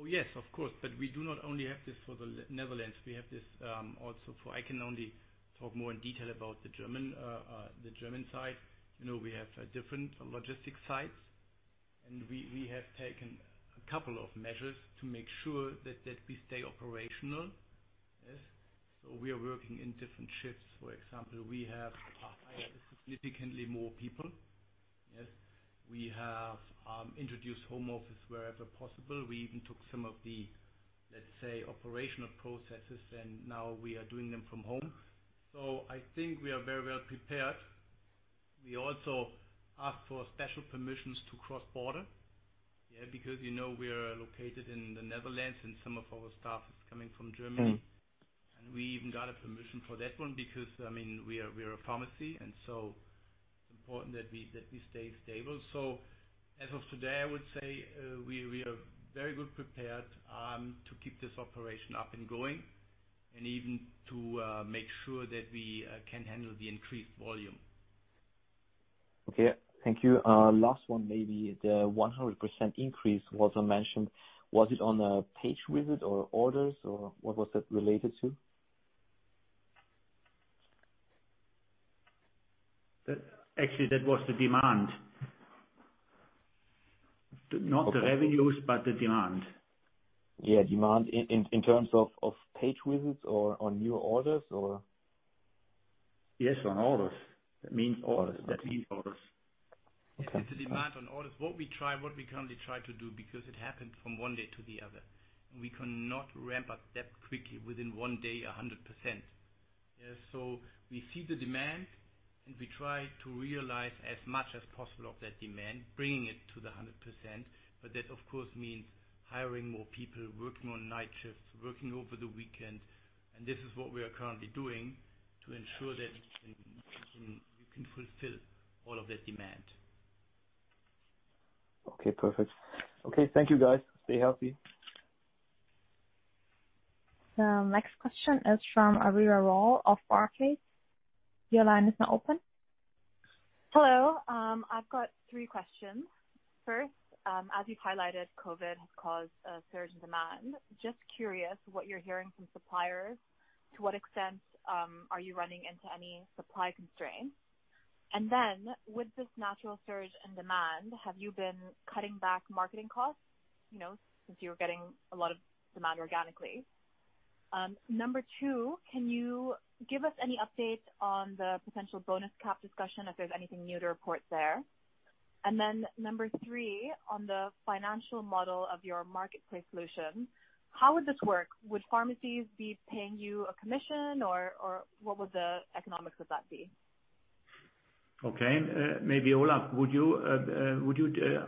Oh, yes, of course. We do not only have this for the Netherlands, I can only talk more in detail about the German side. We have different logistics sites, and we have taken a couple of measures to make sure that we stay operational. We are working in different shifts. For example, we have significantly more people. We have introduced home office wherever possible. We even took some of the, let's say, operational processes, and now we are doing them from home. I think we are very well prepared. We also asked for special permissions to cross border, because we are located in the Netherlands, and some of our staff is coming from Germany. We even got a permission for that one because we are a pharmacy, it's important that we stay stable. As of today, I would say we are very well prepared to keep this operation up and going, and even to make sure that we can handle the increased volume. Okay, thank you. Last one, maybe. The 100% increase Walter mentioned, was it on a page visit or orders, or what was that related to? Actually, that was the demand. Not the revenues, but the demand. Yeah, demand in terms of page visits or on new orders or? Yes, on orders. That means orders. It's a demand on orders. What we currently try to do, because it happened from one day to the other, and we cannot ramp up that quickly within one day 100%. We see the demand, and we try to realize as much as possible of that demand, bringing it to the 100%. That of course means hiring more people, working on night shifts, working over the weekend, and this is what we are currently doing to ensure that we can fulfill all of that demand. Okay, perfect. Okay, thank you, guys. Stay healthy. The next question is from Arira Raw of Barclays. Your line is now open. Hello. I've got three questions. First, as you've highlighted, COVID has caused a surge in demand. Just curious what you're hearing from suppliers. To what extent are you running into any supply constraints? With this natural surge in demand, have you been cutting back marketing costs since you're getting a lot of demand organically? Number two, can you give us any update on the potential bonus cap discussion, if there's anything new to report there? Number three, on the financial model of your marketplace solution, how would this work? Would pharmacies be paying you a commission or what would the economics of that be? Okay. Maybe Olaf, would you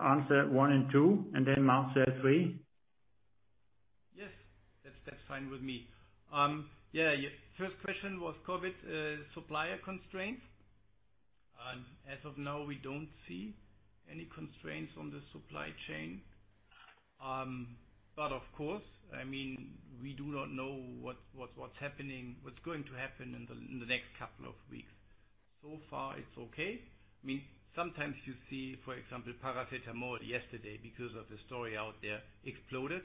answer one and two and then Marcel, three? Yes. That's fine with me. Yeah. First question was COVID supplier constraints. As of now, we don't see any constraints on the supply chain. Of course, we do not know what's going to happen in the next couple of weeks. So far it's okay. Sometimes you see, for example, paracetamol yesterday because of the story out there, exploded.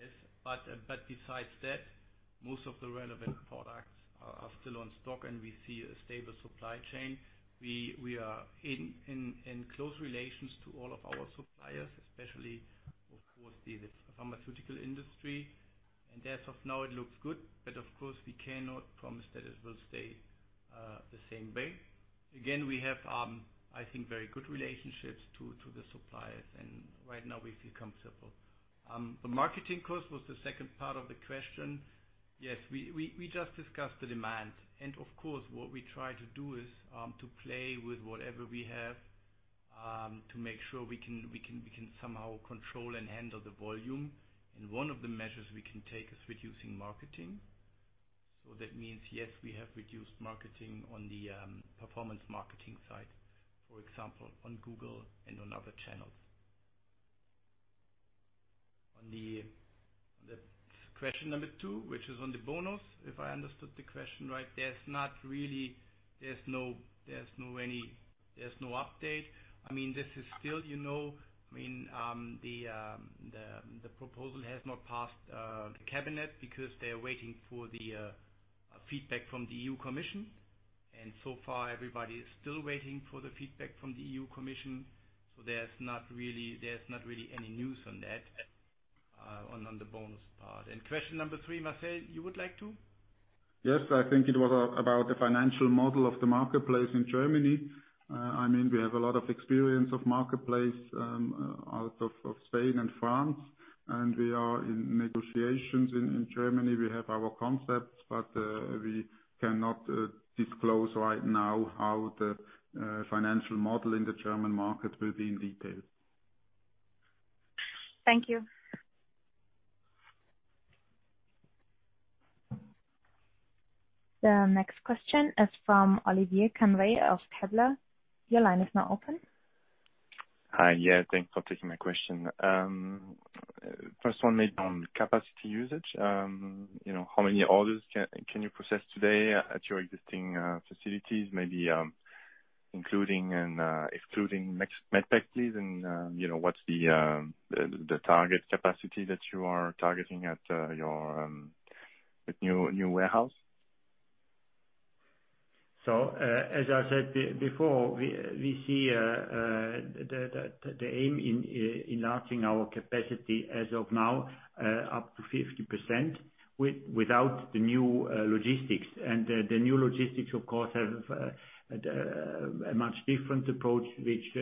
Yes. Besides that, most of the relevant products are still on stock and we see a stable supply chain. We are in close relations to all of our suppliers, especially, of course, the pharmaceutical industry. As of now, it looks good. Of course, we cannot promise that it will stay the same way. Again, we have, I think very good relationships to the suppliers and right now we feel comfortable. The marketing cost was the second part of the question. Yes, we just discussed the demand and of course, what we try to do is, to play with whatever we have, to make sure we can somehow control and handle the volume. One of the measures we can take is reducing marketing. That means, yes, we have reduced marketing on the performance marketing side, for example, on Google and on other channels. On the question number two, which is on the bonus, if I understood the question right, there's no update. The proposal has not passed the cabinet because they are waiting for the feedback from the EU Commission. So far everybody is still waiting for the feedback from the EU Commission. There's not really any news on that, on the bonus part. Question number three, Marcel, you would like to? Yes, I think it was about the financial model of the marketplace in Germany. We have a lot of experience of marketplace out of Spain and France, and we are in negotiations in Germany. We have our concepts, but we cannot disclose right now how the financial model in the German market will be in detail. Thank you. The next question is from Oliver Conroy of Kepler. Your line is now open. Hi. Yeah, thanks for taking my question. First one maybe on capacity usage. How many orders can you process today at your existing facilities? Maybe including and excluding Medpex, please, and what's the target capacity that you are targeting at your new warehouse? As I said before, we see the aim in enlarging our capacity as of now up to 50% without the new logistics. The new logistics of course have a much different approach, which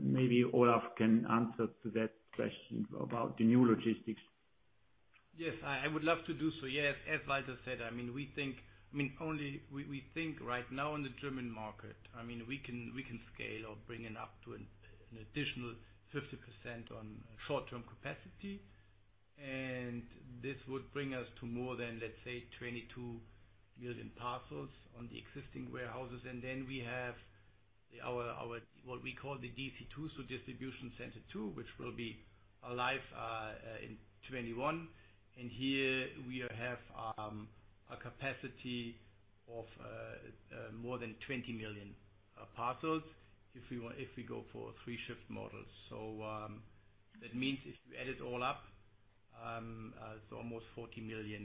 maybe Olaf can answer to that question about the new logistics. I would love to do so. As Walter said, we think right now in the German market, we can scale or bring it up to an additional 50% on short-term capacity. This would bring us to more than, let’s say, 22 million parcels on the existing warehouses. We have what we call the DC-02, so distribution center two, which will be live in 2021. Here we have a capacity of more than 20 million parcels if we go for a three-shift model. That means if you add it all up, it’s almost 40 million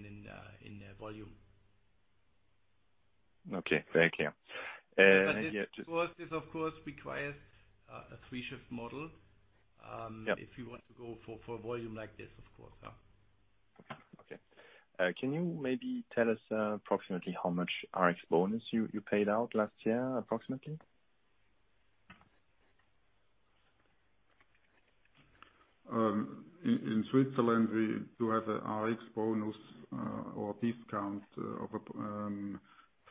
in volume. Okay. Thank you. This, of course, requires a three-shift model. Yeah. If you want to go for a volume like this, of course. Yeah. Okay. Can you maybe tell us approximately how much Rx bonus you paid out last year approximately? In Switzerland, we do have a Rx bonus or discount of 12%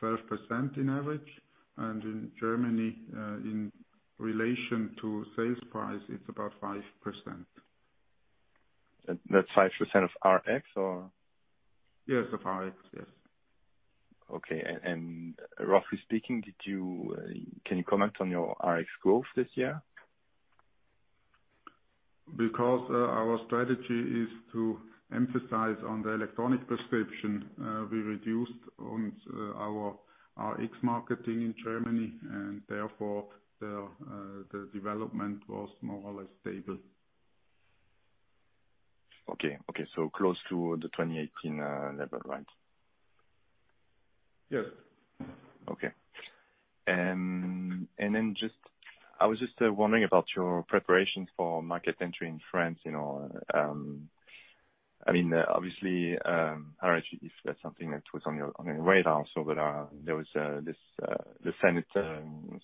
on average. In Germany, in relation to sales price, it's about 5%. That's 5% of Rx or? Yes, of Rx. Yes. Okay. Roughly speaking, can you comment on your Rx growth this year? Because our strategy is to emphasize on the electronic prescription, we reduced on our Rx marketing in Germany, and therefore the development was more or less stable. Okay. Close to the 2018 level, right? Yes. Okay. I was just wondering about your preparations for market entry in France. Obviously, I don't know if that's something that was on your radar also, but there was this, the Senate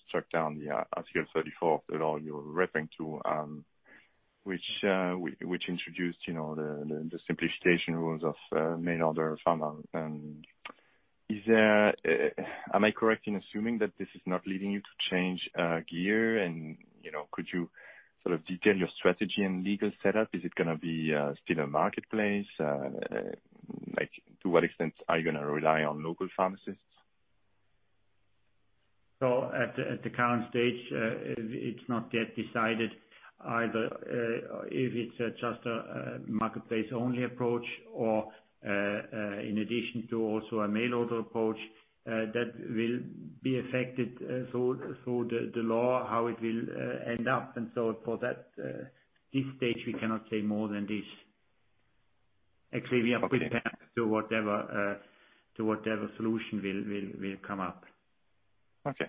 struck down the Article 34 of the law you're referring to, which introduced the simplification rules of mail-order pharma. Am I correct in assuming that this is not leading you to change gear? Could you sort of detail your strategy and legal setup? Is it going to be still a marketplace? To what extent are you going to rely on local pharmacists? At the current stage, it's not yet decided either if it's just a marketplace only approach or in addition to also a mail order approach that will be affected through the law, how it will end up. For that, this stage, we cannot say more than this. Actually, we are prepared to whatever solution will come up. Okay.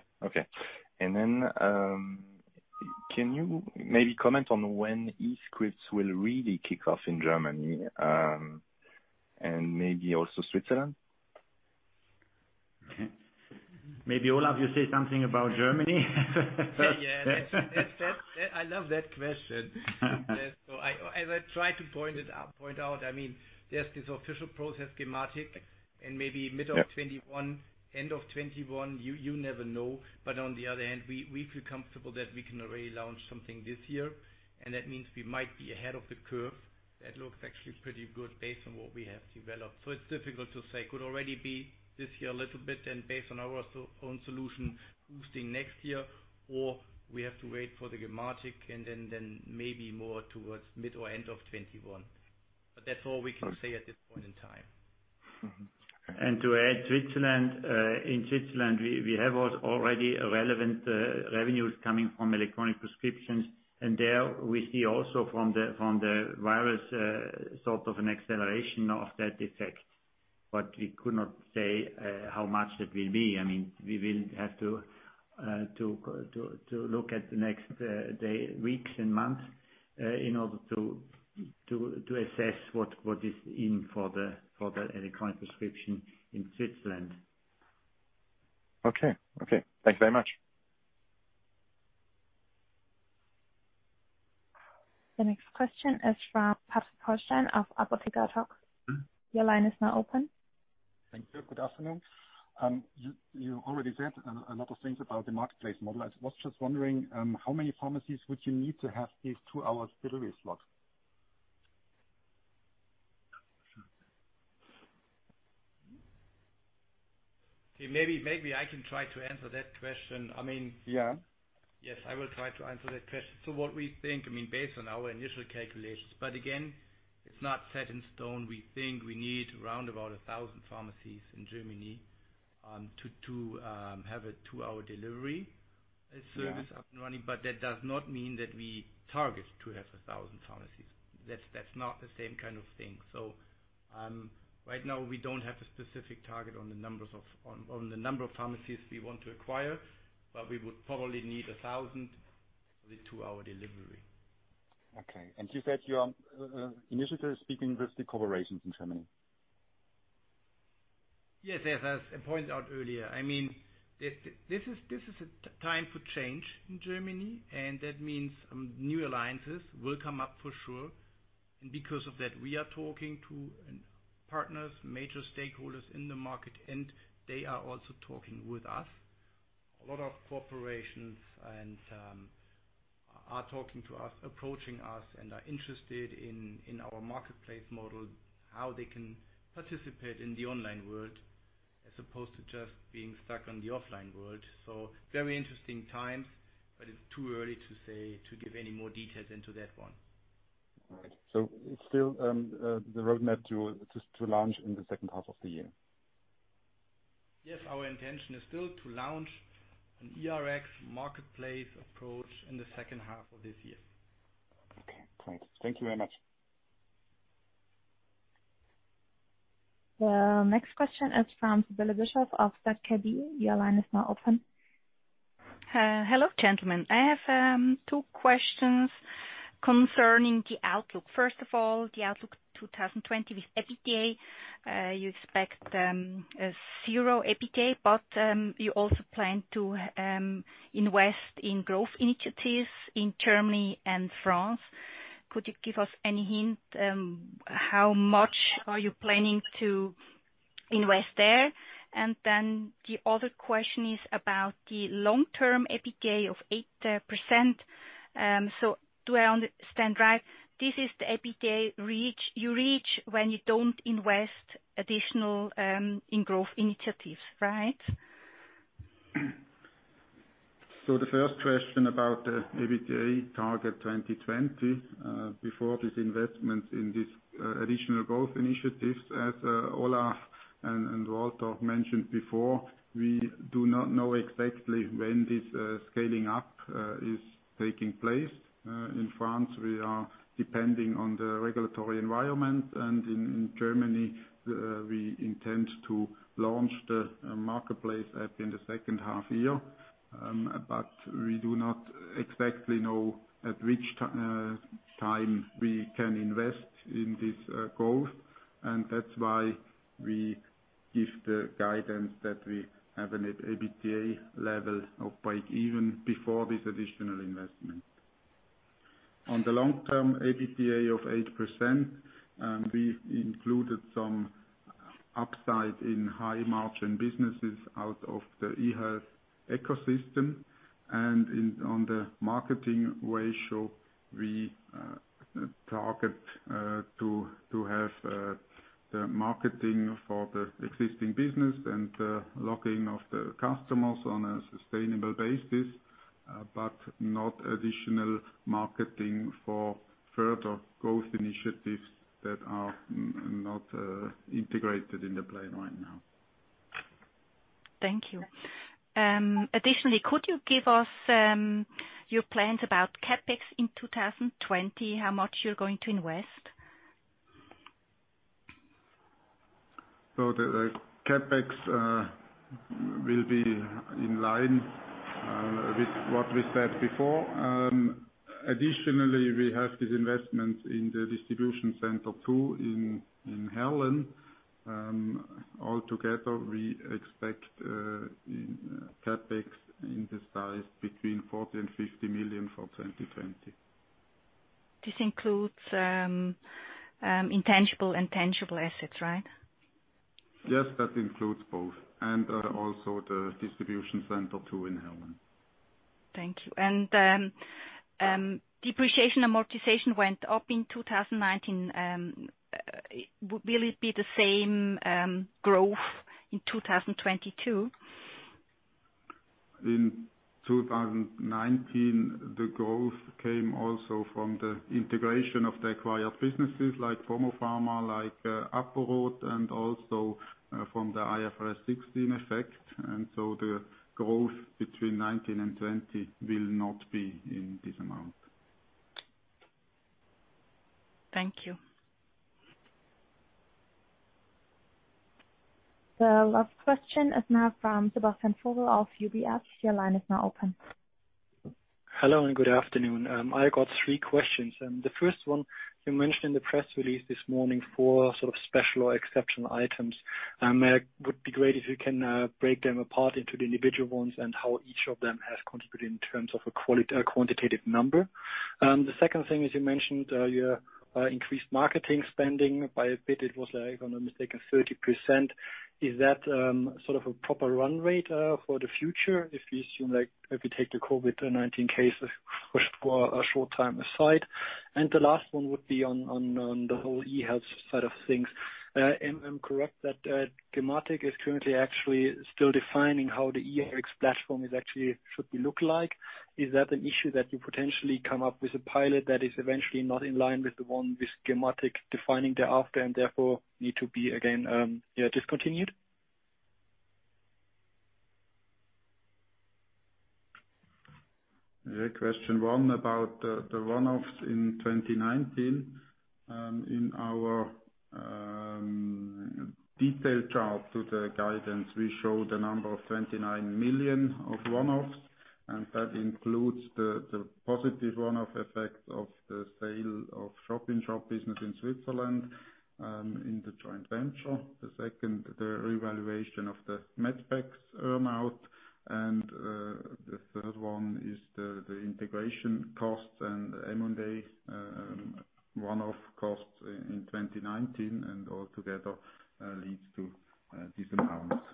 Can you maybe comment on when e-scripts will really kick off in Germany and maybe also Switzerland? Maybe Olaf, you say something about Germany? Yeah. I love that question. As I try to point out, there's this official process gematik and maybe middle of 2021, end of 2021, you never know. On the other hand, we feel comfortable that we can already launch something this year, and that means we might be ahead of the curve. That looks actually pretty good based on what we have developed. It's difficult to say. Could already be this year a little bit and based on our own solution, boosting next year, or we have to wait for the gematik and then maybe more towards mid or end of 2021. That's all we can say at this point in time. To add Switzerland. In Switzerland, we have already relevant revenues coming from electronic prescriptions, and there we see also from the virus sort of an acceleration of that effect. We could not say how much that will be. We will have to look at the next weeks and months in order to assess what is in for the electronic prescription in Switzerland. Okay. Thanks very much. The next question is from Patrick Hollstein of APOTHEKE ADHOC. Your line is now open. Thank you. Good afternoon. You already said a lot of things about the marketplace model. I was just wondering how many pharmacies would you need to have these two-hour delivery slots? Maybe I can try to answer that question. Yeah. Yes, I will try to answer that question. What we think, based on our initial calculations, but again, it's not set in stone. We think we need around about 1,000 pharmacies in Germany to have a two-hour delivery service up and running. That does not mean that we target to have 1,000 pharmacies. That's not the same kind of thing. Right now we don't have a specific target on the number of pharmacies we want to acquire, but we would probably need 1,000 for the two-hour delivery. Okay, you said you are initially speaking with the corporations in Germany? Yes. As I pointed out earlier, this is a time for change in Germany, that means new alliances will come up for sure. Because of that, we are talking to partners, major stakeholders in the market, and they are also talking with us. A lot of corporations are talking to us, approaching us, and are interested in our marketplace model, how they can participate in the online world as opposed to just being stuck on the offline world. Very interesting times, but it's too early to say, to give any more details into that one. Right. It's still the roadmap to launch in the second half of the year? Yes, our intention is still to launch an eRx marketplace approach in the second half of this year. Okay, great. Thank you very much. The next question is from Sibylle Bischofberger of Vontobel. Your line is now open. Hello, gentlemen. I have two questions concerning the outlook. First of all, the outlook 2020 with EBITDA. You expect zero EBITDA, you also plan to invest in growth initiatives in Germany and France. Could you give us any hint how much are you planning to invest there? The other question is about the long-term EBITDA of 8%. Do I understand right, this is the EBITDA you reach when you don't invest additional in growth initiatives, right? The first question about the EBITDA target 2020, before this investment in this additional growth initiatives, as Olaf and Walter mentioned before, we do not know exactly when this scaling up is taking place. In France, we are depending on the regulatory environment. In Germany, we intend to launch the marketplace app in the second half year. We do not exactly know at which time we can invest in this growth. That's why we give the guidance that we have an EBITDA level of break-even before this additional investment. On the long term, EBITDA of 8%, we included some upside in high margin businesses out of the eHealth ecosystem, and on the marketing ratio, we target to have the marketing for the existing business and the locking of the customers on a sustainable basis, but not additional marketing for further growth initiatives that are not integrated in the plan right now. Thank you. Additionally, could you give us your plans about CapEx in 2020, how much you're going to invest? The CapEx will be in line with what we said before. Additionally, we have this investment in the distribution center two in Heerlen. Altogether, we expect CapEx in the size between 40 million and 50 million for 2020. This includes intangible and tangible assets, right? Yes, that includes both, and also the distribution center two in Heerlen. Thank you. Depreciation amortization went up in 2019. Will it be the same growth in 2022? In 2019, the growth came also from the integration of the acquired businesses like PromoFarma, like apo-rot, and also from the IFRS 16 effect. The growth between 2019 and 2020 will not be in this amount. Thank you. The last question is now from Sebastian Vogel of UBS. Your line is now open. Hello and good afternoon. I got three questions. The first one, you mentioned in the press release this morning four sort of special or exceptional items. It would be great if you can break them apart into the individual ones and how each of them has contributed in terms of a quantitative number. The second thing is you mentioned your increased marketing spending by a bit, it was, if I'm not mistaken, 30%. Is that sort of a proper run rate for the future, if you assume that, if you take the COVID-19 case for a short time aside? The last one would be on the whole eHealth side of things. Am I correct that gematik is currently actually still defining how the eHealth platform actually should look like? Is that an issue that you potentially come up with a pilot that is eventually not in line with the one with gematik defining thereafter and therefore need to be again discontinued? Yeah. Question one about the one-offs in 2019. In our detailed chart to the guidance, we show the number of 29 million of one-offs. That includes the positive one-off effect of the sale of shop-in-shop business in Switzerland, in the joint venture. The second, the revaluation of the Medpex earn-out. The third one is the integration costs and M&A one-off costs in 2019. All together leads to these amounts.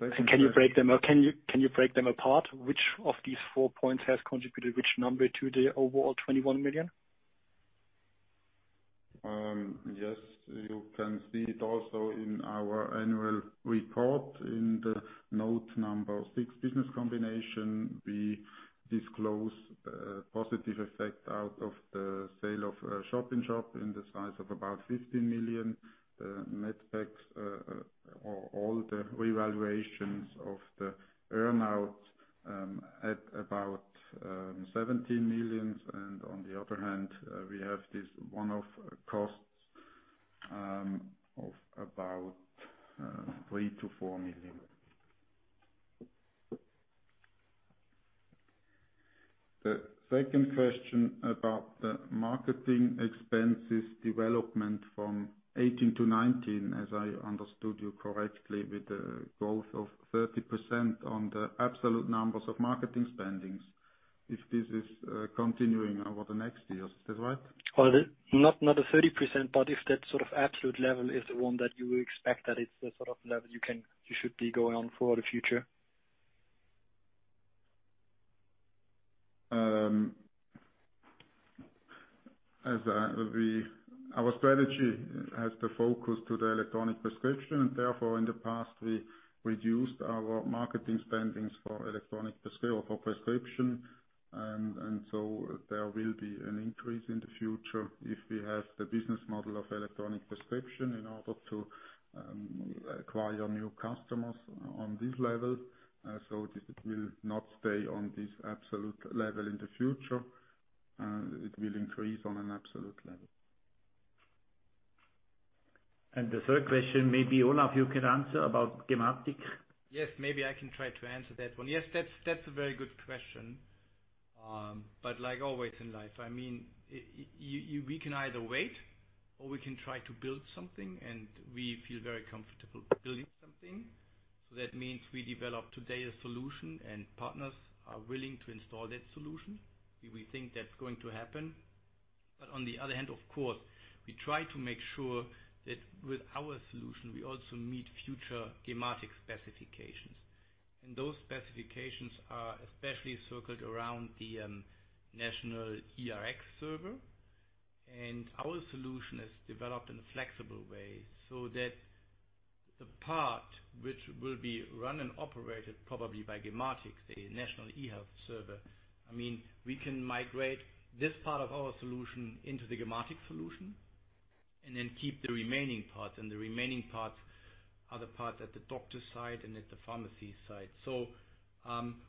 Can you break them apart, which of these four points has contributed which number to the overall 21 million? Yes. You can see it also in our annual report in the note number six, business combination. We disclose a positive effect out of the sale of a shop-in-shop in the size of about 15 million Medpex, or all the revaluations of the earn-out at about 17 million. On the other hand, we have this one-off costs of about CHF 3 million-CHF 4 million. The second question about the marketing expenses development from 2018 to 2019, as I understood you correctly, with the growth of 30% on the absolute numbers of marketing spendings, if this is continuing over the next years. Is that right? Well, not a 30%, but if that sort of absolute level is the one that you would expect, that it's the sort of level you should be going on for the future. Our strategy has the focus to the electronic prescription. Therefore in the past, we reduced our marketing spendings for electronic scale for prescription. There will be an increase in the future if we have the business model of electronic prescription in order to acquire new customers on this level. It will not stay on this absolute level in the future. It will increase on an absolute level. The third question, maybe Olaf, you can answer about gematik. Yes. Maybe I can try to answer that one. Yes, that's a very good question. Like always in life, we can either wait or we can try to build something, and we feel very comfortable building something. That means we develop today a solution and partners are willing to install that solution. We think that's going to happen. On the other hand, of course, we try to make sure that with our solution, we also meet future gematik specifications. Those specifications are especially circled around the national eRx server. Our solution is developed in a flexible way so that the part which will be run and operated probably by gematik, the national eHealth server, we can migrate this part of our solution into the gematik solution and then keep the remaining parts, and the remaining parts are the parts at the doctor's side and at the pharmacy side.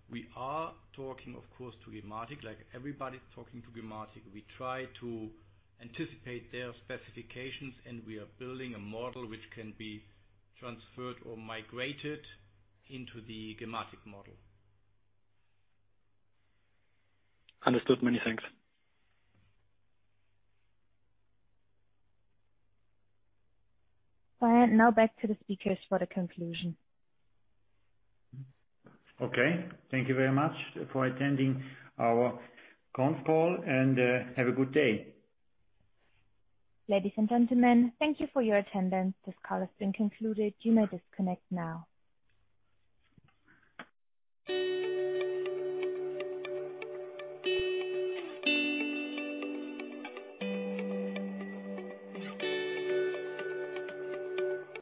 We are talking, of course, to gematik, like everybody's talking to gematik. We try to anticipate their specifications, and we are building a model which can be transferred or migrated into the gematik model. Understood. Many thanks. Now back to the speakers for the conclusion. Okay. Thank you very much for attending our conf call, and have a good day. Ladies and gentlemen, thank you for your attendance. This call has been concluded. You may disconnect now.